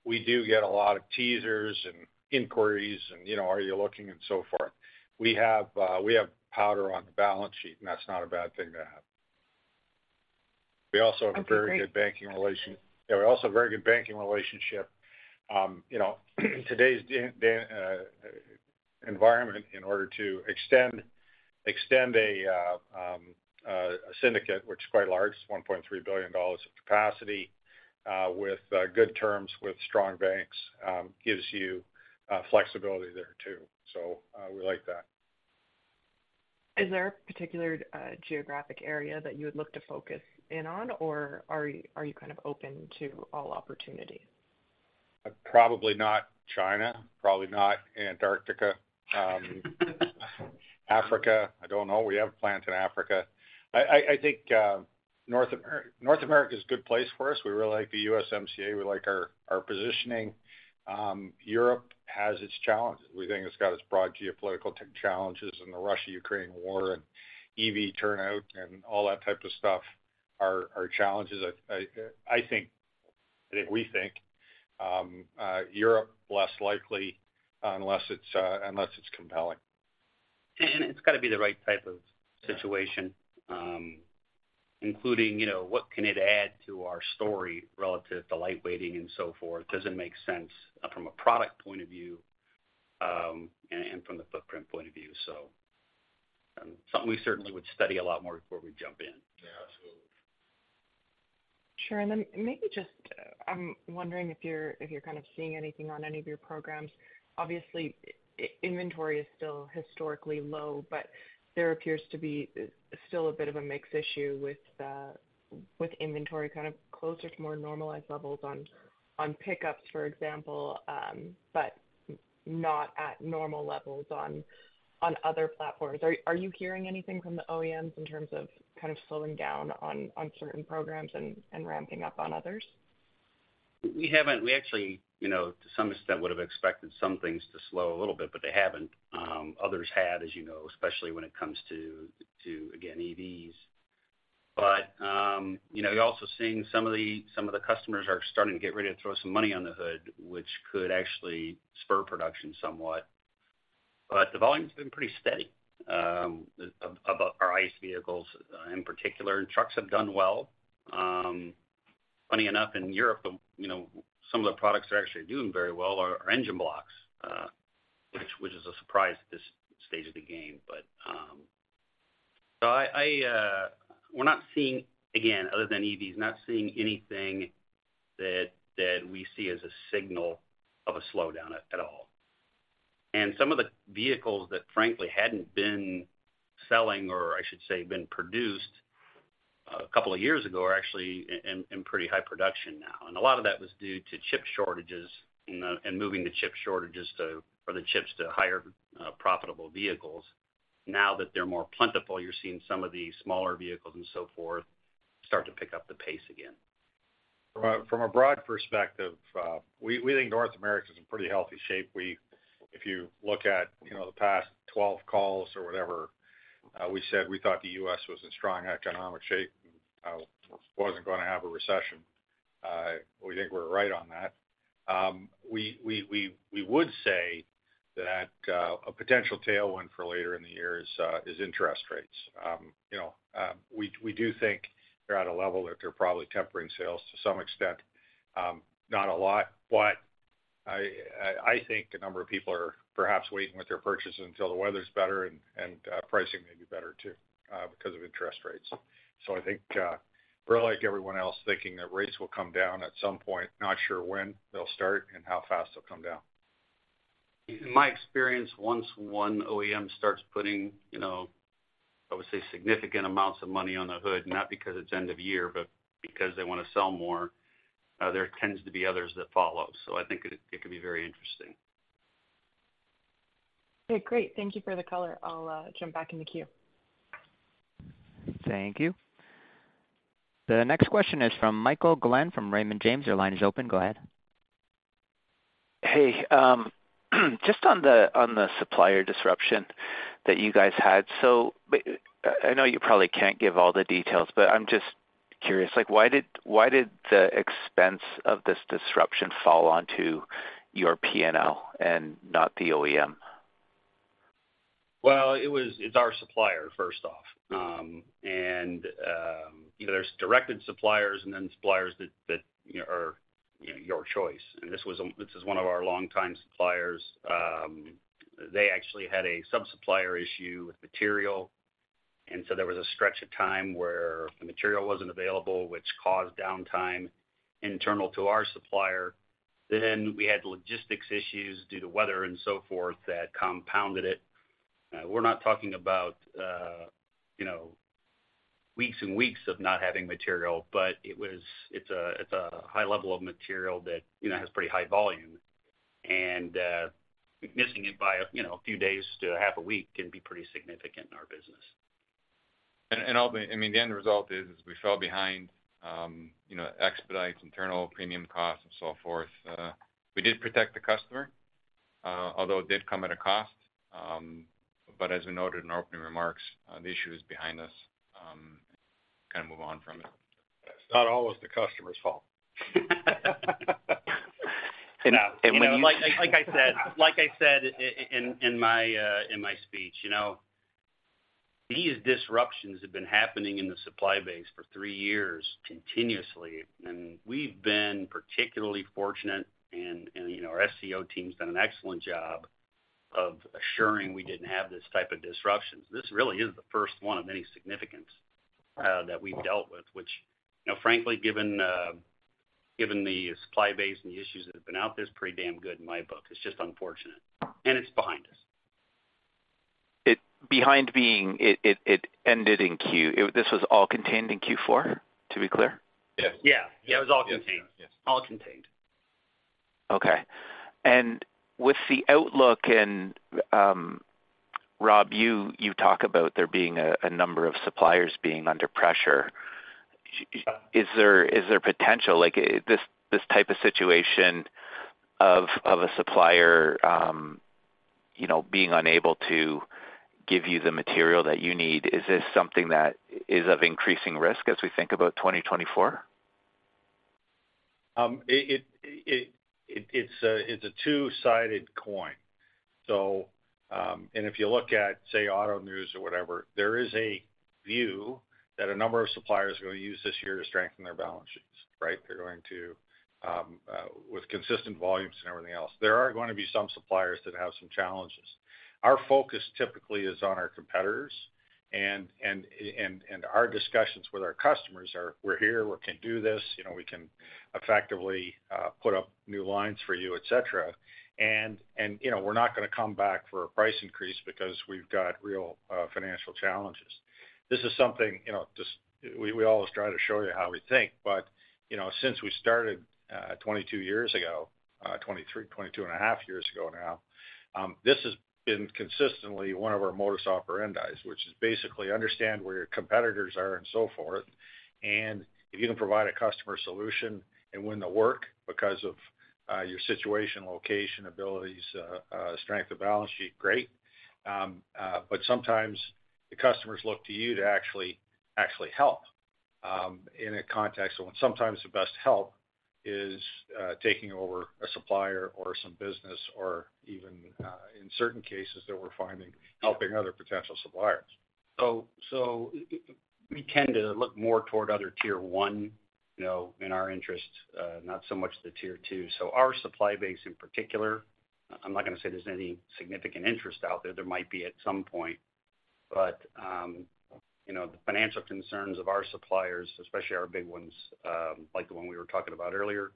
we do get a lot of teasers and inquiries and, "Are you looking?" and so forth. We have powder on the balance sheet, and that's not a bad thing to have. We also have a very good banking relationship. Yeah. We also have a very good banking relationship. Today's environment, in order to extend a syndicate, which is quite large, it's $1.3 billion of capacity with good terms with strong banks, gives you flexibility there too. So we like that. Is there a particular geographic area that you would look to focus in on, or are you kind of open to all opportunities? Probably not China. Probably not Antarctica. Africa, I don't know. We have a plant in Africa. I think North America is a good place for us. We really like the USMCA. We like our positioning. Europe has its challenges. We think it's got its broad geopolitical challenges in the Russia-Ukraine war and EV turnout and all that type of stuff, our challenges, I think. I think we think. Europe, less likely unless it's compelling. It's got to be the right type of situation, including what can it add to our story relative to lightweighting and so forth. Doesn't make sense from a product point of view and from the footprint point of view, so something we certainly would study a lot more before we jump in. Yeah. Absolutely. Sure. And then maybe just I'm wondering if you're kind of seeing anything on any of your programs. Obviously, inventory is still historically low, but there appears to be still a bit of a mix issue with inventory kind of closer to more normalized levels on pickups, for example, but not at normal levels on other platforms. Are you hearing anything from the OEMs in terms of kind of slowing down on certain programs and ramping up on others? We haven't. We actually, to some extent, would have expected some things to slow a little bit, but they haven't. Others had, as you know, especially when it comes to, again, EVs. But we're also seeing some of the customers are starting to get ready to throw some money on the hood, which could actually spur production somewhat. But the volume has been pretty steady of our ICE vehicles in particular, and trucks have done well. Funny enough, in Europe, some of the products that are actually doing very well are engine blocks, which is a surprise at this stage of the game, but. So we're not seeing, again, other than EVs, not seeing anything that we see as a signal of a slowdown at all. Some of the vehicles that, frankly, hadn't been selling or, I should say, been produced a couple of years ago are actually in pretty high production now. A lot of that was due to chip shortages and moving the chip shortages or the chips to higher profitable vehicles. Now that they're more plentiful, you're seeing some of the smaller vehicles and so forth start to pick up the pace again. From a broad perspective, we think North America is in pretty healthy shape. If you look at the past 12 calls or whatever, we said we thought the U.S. was in strong economic shape and wasn't going to have a recession. We think we're right on that. We would say that a potential tailwind for later in the years is interest rates. We do think they're at a level that they're probably tempering sales to some extent, not a lot, but I think a number of people are perhaps waiting with their purchases until the weather's better and pricing may be better too because of interest rates. So I think we're like everyone else thinking that rates will come down at some point. Not sure when they'll start and how fast they'll come down. In my experience, once one OEM starts putting, I would say, significant amounts of money on the hood, not because it's end of year, but because they want to sell more, there tends to be others that follow. So I think it could be very interesting. Okay. Great. Thank you for the color. I'll jump back in the queue. Thank you. The next question is from Michael Glen from Raymond James. Your line is open. Go ahead. Hey. Just on the supplier disruption that you guys had, so I know you probably can't give all the details, but I'm just curious. Why did the expense of this disruption fall onto your P&L and not the OEM? Well, it's our supplier, first off. There's directed suppliers and then suppliers that are your choice. This is one of our longtime suppliers. They actually had a subsupplier issue with material. So there was a stretch of time where the material wasn't available, which caused downtime internal to our supplier. Then we had logistics issues due to weather and so forth that compounded it. We're not talking about weeks and weeks of not having material, but it's a high level of material that has pretty high volume. Missing it by a few days to half a week can be pretty significant in our business. I mean, the end result is we fell behind expedites, internal premium costs, and so forth. We did protect the customer, although it did come at a cost. As we noted in our opening remarks, the issue is behind us. Kind of move on from it. It's not always the customer's fault. Like I said in my speech, these disruptions have been happening in the supply base for three years continuously. We've been particularly fortunate, and our supply team's done an excellent job of assuring we didn't have this type of disruptions. This really is the first one of any significance that we've dealt with, which, frankly, given the supply base and the issues that have been out there, it's pretty damn good in my book. It's just unfortunate. It's behind us. Behind being, it ended in Q4. This was all contained in Q4, to be clear? Yes. Yeah. Yeah. It was all contained. All contained. Okay. And with the outlook and, Rob, you talk about there being a number of suppliers being under pressure. Is there potential? This type of situation of a supplier being unable to give you the material that you need, is this something that is of increasing risk as we think about 2024? It's a two-sided coin. And if you look at, say, Auto News or whatever, there is a view that a number of suppliers are going to use this year to strengthen their balance sheets, right? They're going to with consistent volumes and everything else. There are going to be some suppliers that have some challenges. Our focus typically is on our competitors. And our discussions with our customers are, "We're here. We can do this. We can effectively put up new lines for you," etc. "And we're not going to come back for a price increase because we've got real financial challenges." This is something just we always try to show you how we think, but since we started 22 years ago, 23, 22 and a half years ago now, this has been consistently one of our modus operandi, which is basically understand where your competitors are and so forth. If you can provide a customer solution and win the work because of your situation, location, abilities, strength of balance sheet, great. But sometimes the customers look to you to actually help in a context of when sometimes the best help is taking over a supplier or some business or even, in certain cases that we're finding, helping other potential suppliers. So we tend to look more toward other tier one in our interest, not so much the tier two. So our supply base in particular, I'm not going to say there's any significant interest out there. There might be at some point. But the financial concerns of our suppliers, especially our big ones like the one we were talking about earlier,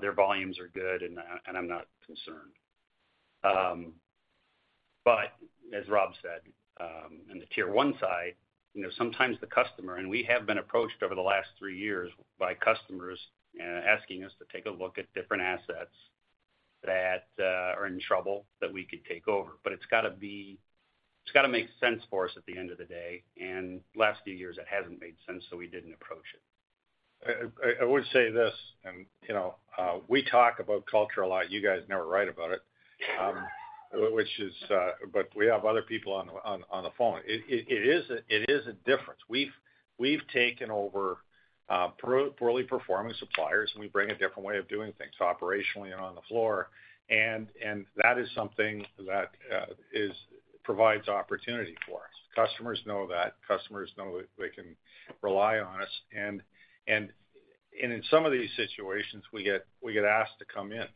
their volumes are good, and I'm not concerned. But as Rob said, in the tier one side, sometimes the customer and we have been approached over the last three years by customers asking us to take a look at different assets that are in trouble that we could take over. But it's got to be it's got to make sense for us at the end of the day. And the last few years, it hasn't made sense, so we didn't approach it. I would say this, and we talk about culture a lot. You guys never write about it, which is, but we have other people on the phone. It is a difference. We've taken over poorly performing suppliers, and we bring a different way of doing things, operationally and on the floor. And that is something that provides opportunity for us. Customers know that. Customers know that they can rely on us. And in some of these situations, we get asked to come in,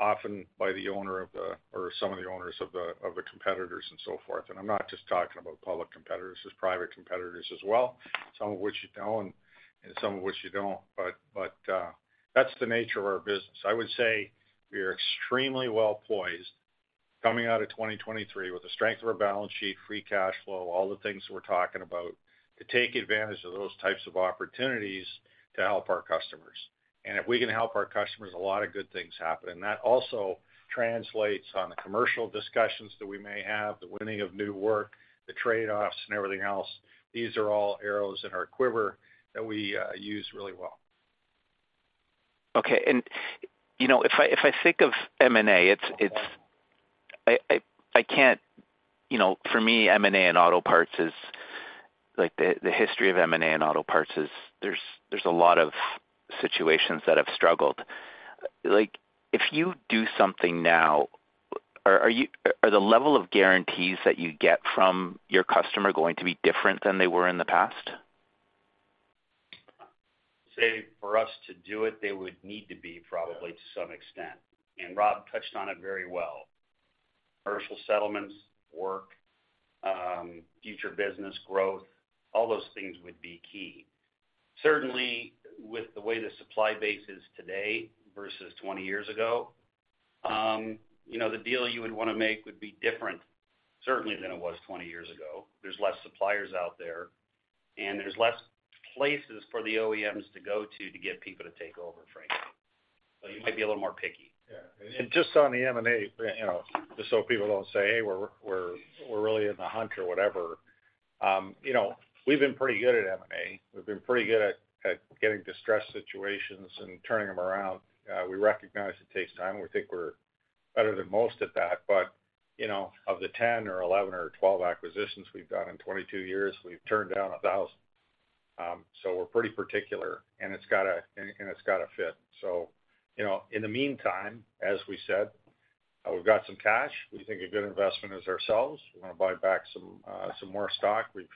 often by the owner of the or some of the owners of the competitors and so forth. And I'm not just talking about public competitors. There's private competitors as well, some of which you know and some of which you don't. But that's the nature of our business. I would say we are extremely well poised coming out of 2023 with the strength of our balance sheet, free cash flow, all the things that we're talking about, to take advantage of those types of opportunities to help our customers. If we can help our customers, a lot of good things happen. That also translates on the commercial discussions that we may have, the winning of new work, the trade-offs, and everything else. These are all arrows in our quiver that we use really well. Okay. If I think of M&A, it's—I can't—for me, M&A and auto parts is the history of M&A and auto parts is there's a lot of situations that have struggled. If you do something now, are the level of guarantees that you get from your customer going to be different than they were in the past? Say, for us to do it, they would need to be probably to some extent. Rob touched on it very well. Commercial settlements, work, future business growth, all those things would be key. Certainly, with the way the supply base is today versus 20 years ago, the deal you would want to make would be different, certainly, than it was 20 years ago. There's less suppliers out there, and there's less places for the OEMs to go to to get people to take over, frankly. You might be a little more picky. Yeah. And just on the M&A, just so people don't say, "Hey, we're really in the hunt," or whatever, we've been pretty good at M&A. We've been pretty good at getting distressed situations and turning them around. We recognize it takes time. We think we're better than most at that. But of the 10 or 11 or 12 acquisitions we've done in 22 years, we've turned down 1,000. So we're pretty particular, and it's got to fit. So in the meantime, as we said, we've got some cash. We think a good investment is ourselves. We want to buy back some more stock. We've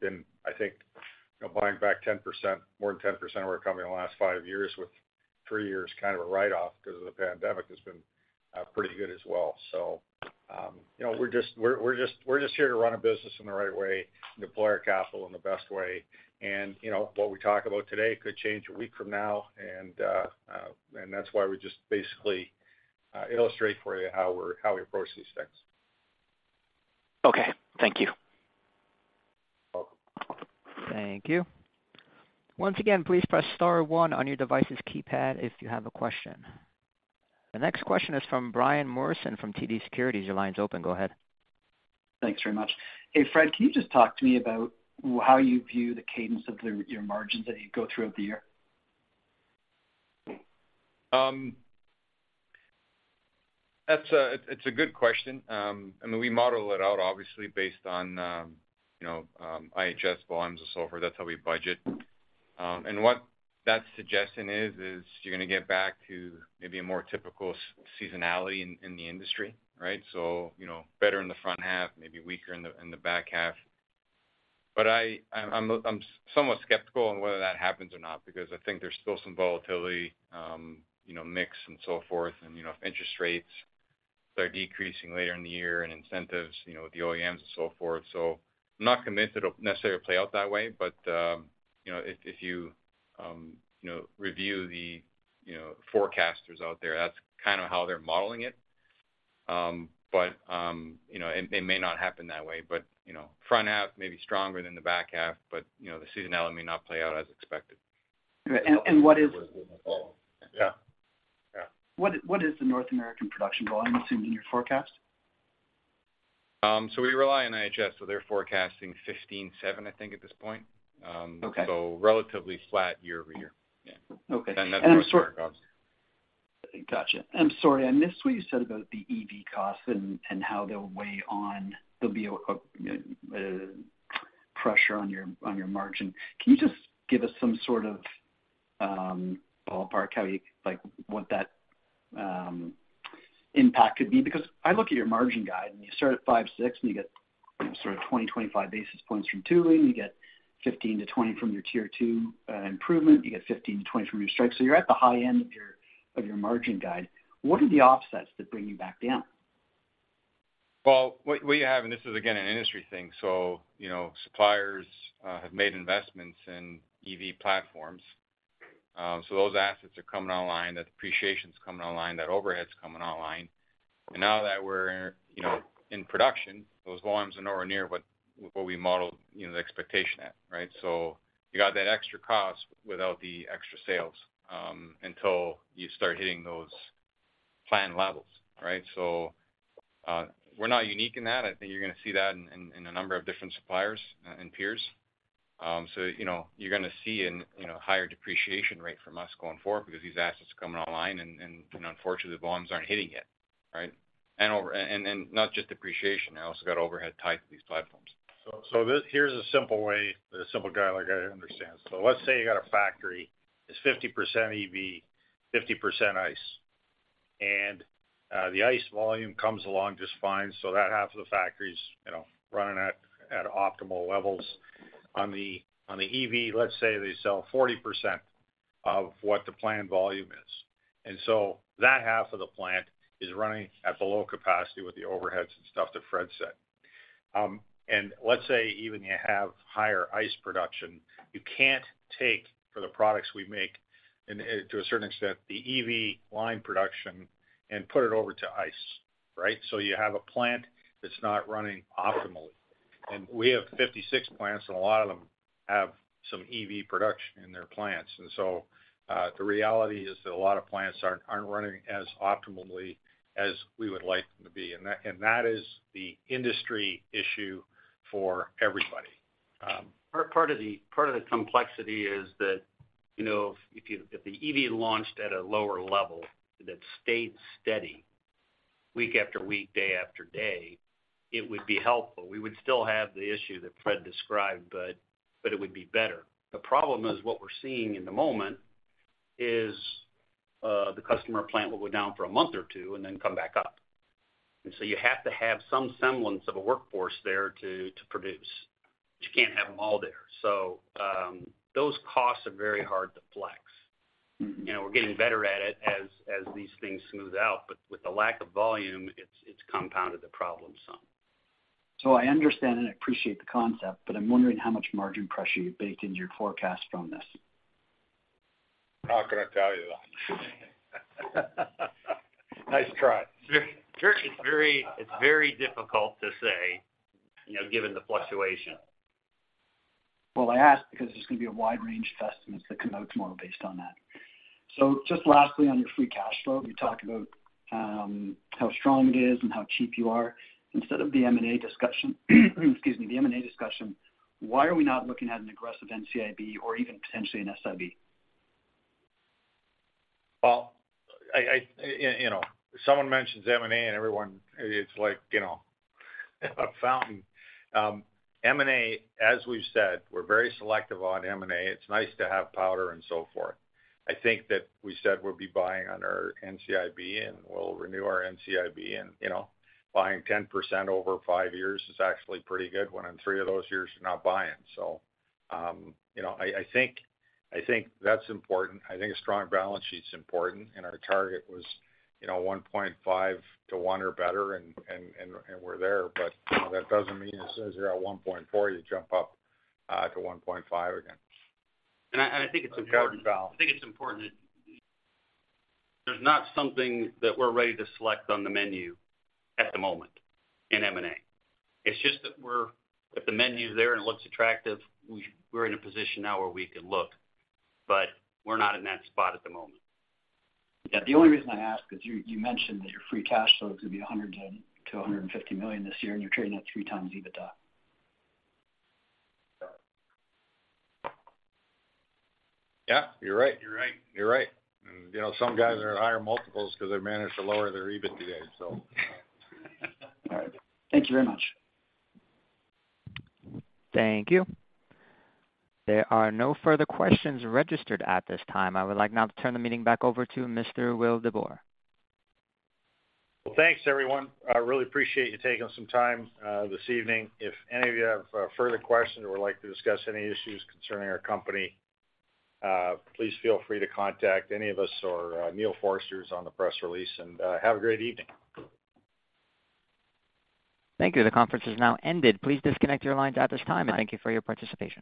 been, I think, buying back 10% more than 10% of what's coming in the last five years with three years kind of a write-off because of the pandemic has been pretty good as well. We're just here to run a business in the right way, deploy our capital in the best way. What we talk about today could change a week from now. That's why we just basically illustrate for you how we approach these things. Okay. Thank you. You're welcome. Thank you. Once again, please press star one on your device's keypad if you have a question. The next question is from Brian Morrison from TD Securities. Your line's open. Go ahead. Thanks very much. Hey, Fred, can you just talk to me about how you view the cadence of your margins that you go through over the year? That's a good question. I mean, we model it out, obviously, based on IHS volumes and so forth. That's how we budget. And what that suggestion is, is you're going to get back to maybe a more typical seasonality in the industry, right? So better in the front half, maybe weaker in the back half. But I'm somewhat skeptical on whether that happens or not because I think there's still some volatility mix and so forth. And if interest rates start decreasing later in the year and incentives with the OEMs and so forth, so I'm not committed it'll necessarily play out that way. But if you review the forecasters out there, that's kind of how they're modeling it. But it may not happen that way. But front half may be stronger than the back half, but the seasonality may not play out as expected. And what is? Yeah. Yeah. What is the North American production volume, I'm assuming, in your forecast? So we rely on IHS. So they're forecasting 15.7, I think, at this point. So relatively flat year-over-year. Yeah. And that's where it's going to go. Gotcha. I'm sorry. I missed what you said about the EV costs and how they'll weigh on. There'll be a pressure on your margin. Can you just give us some sort of ballpark how you what that impact could be? Because I look at your margin guide, and you start at 5.6, and you get sort of 20-25 basis points from tooling. You get 15-20 from your tier two improvement. You get 15-20 from your strike. So you're at the high end of your margin guide. What are the offsets that bring you back down? Well, what you have, and this is, again, an industry thing. So suppliers have made investments in EV platforms. So those assets are coming online. That appreciation's coming online. That overhead's coming online. And now that we're in production, those volumes are nowhere near what we modeled the expectation at, right? So you got that extra cost without the extra sales until you start hitting those planned levels, right? So we're not unique in that. I think you're going to see that in a number of different suppliers and peers. So you're going to see a higher depreciation rate from us going forward because these assets are coming online. And unfortunately, the volumes aren't hitting yet, right? And not just depreciation. You also got overhead tied to these platforms. So here's a simple way a simple guy like I understands. So let's say you got a factory. It's 50% EV, 50% ICE. And the ICE volume comes along just fine. So that half of the factory's running at optimal levels. On the EV, let's say they sell 40% of what the planned volume is. And so that half of the plant is running at below capacity with the overheads and stuff that Fred said. And let's say even you have higher ICE production, you can't take for the products we make, to a certain extent, the EV line production and put it over to ICE, right? So you have a plant that's not running optimally. And we have 56 plants, and a lot of them have some EV production in their plants. The reality is that a lot of plants aren't running as optimally as we would like them to be. That is the industry issue for everybody. Part of the complexity is that if the EV launched at a lower level, that stayed steady week after week, day after day, it would be helpful. We would still have the issue that Fred described, but it would be better. The problem is what we're seeing in the moment is the customer plant will go down for a month or two and then come back up. And so you have to have some semblance of a workforce there to produce, but you can't have them all there. So those costs are very hard to flex. We're getting better at it as these things smooth out. But with the lack of volume, it's compounded the problem some. I understand and I appreciate the concept, but I'm wondering how much margin pressure you baked into your forecast from this. How can I tell you that? Nice try. It's very difficult to say given the fluctuation. Well, I asked because there's going to be a wide range of estimates that connotes more based on that. So just lastly, on your free cash flow, you talk about how strong it is and how cheap you are. Instead of the M&A discussion, excuse me, the M&A discussion, why are we not looking at an aggressive NCIB or even potentially an SIB? Well, someone mentions M&A, and everyone, it's like a fountain. M&A, as we've said, we're very selective on M&A. It's nice to have powder and so forth. I think that we said we'll be buying under NCIB, and we'll renew our NCIB. And buying 10% over five years is actually pretty good when in three of those years, you're not buying. So I think that's important. I think a strong balance sheet's important. And our target was 1.5 to 1 or better, and we're there. But that doesn't mean as soon as you're at 1.4, you jump up to 1.5 again. I think it's important. You've got to be balanced. I think it's important that there's not something that we're ready to select on the menu at the moment in M&A. It's just that if the menu's there and it looks attractive, we're in a position now where we can look. But we're not in that spot at the moment. Yeah. The only reason I ask because you mentioned that your free cash flow is going to be 100 million-150 million this year, and you're trading at 3x EBITDA. Yeah. You're right. You're right. You're right. And some guys are at higher multiples because they've managed to lower their EBIT today, so. All right. Thank you very much. Thank you. There are no further questions registered at this time. I would like now to turn the meeting back over to Mr. Wildeboer. Well, thanks, everyone. I really appreciate you taking some time this evening. If any of you have further questions or would like to discuss any issues concerning our company, please feel free to contact any of us or Neil Forster is on the press release. Have a great evening. Thank you. The conference is now ended. Please disconnect your lines at this time, and thank you for your participation.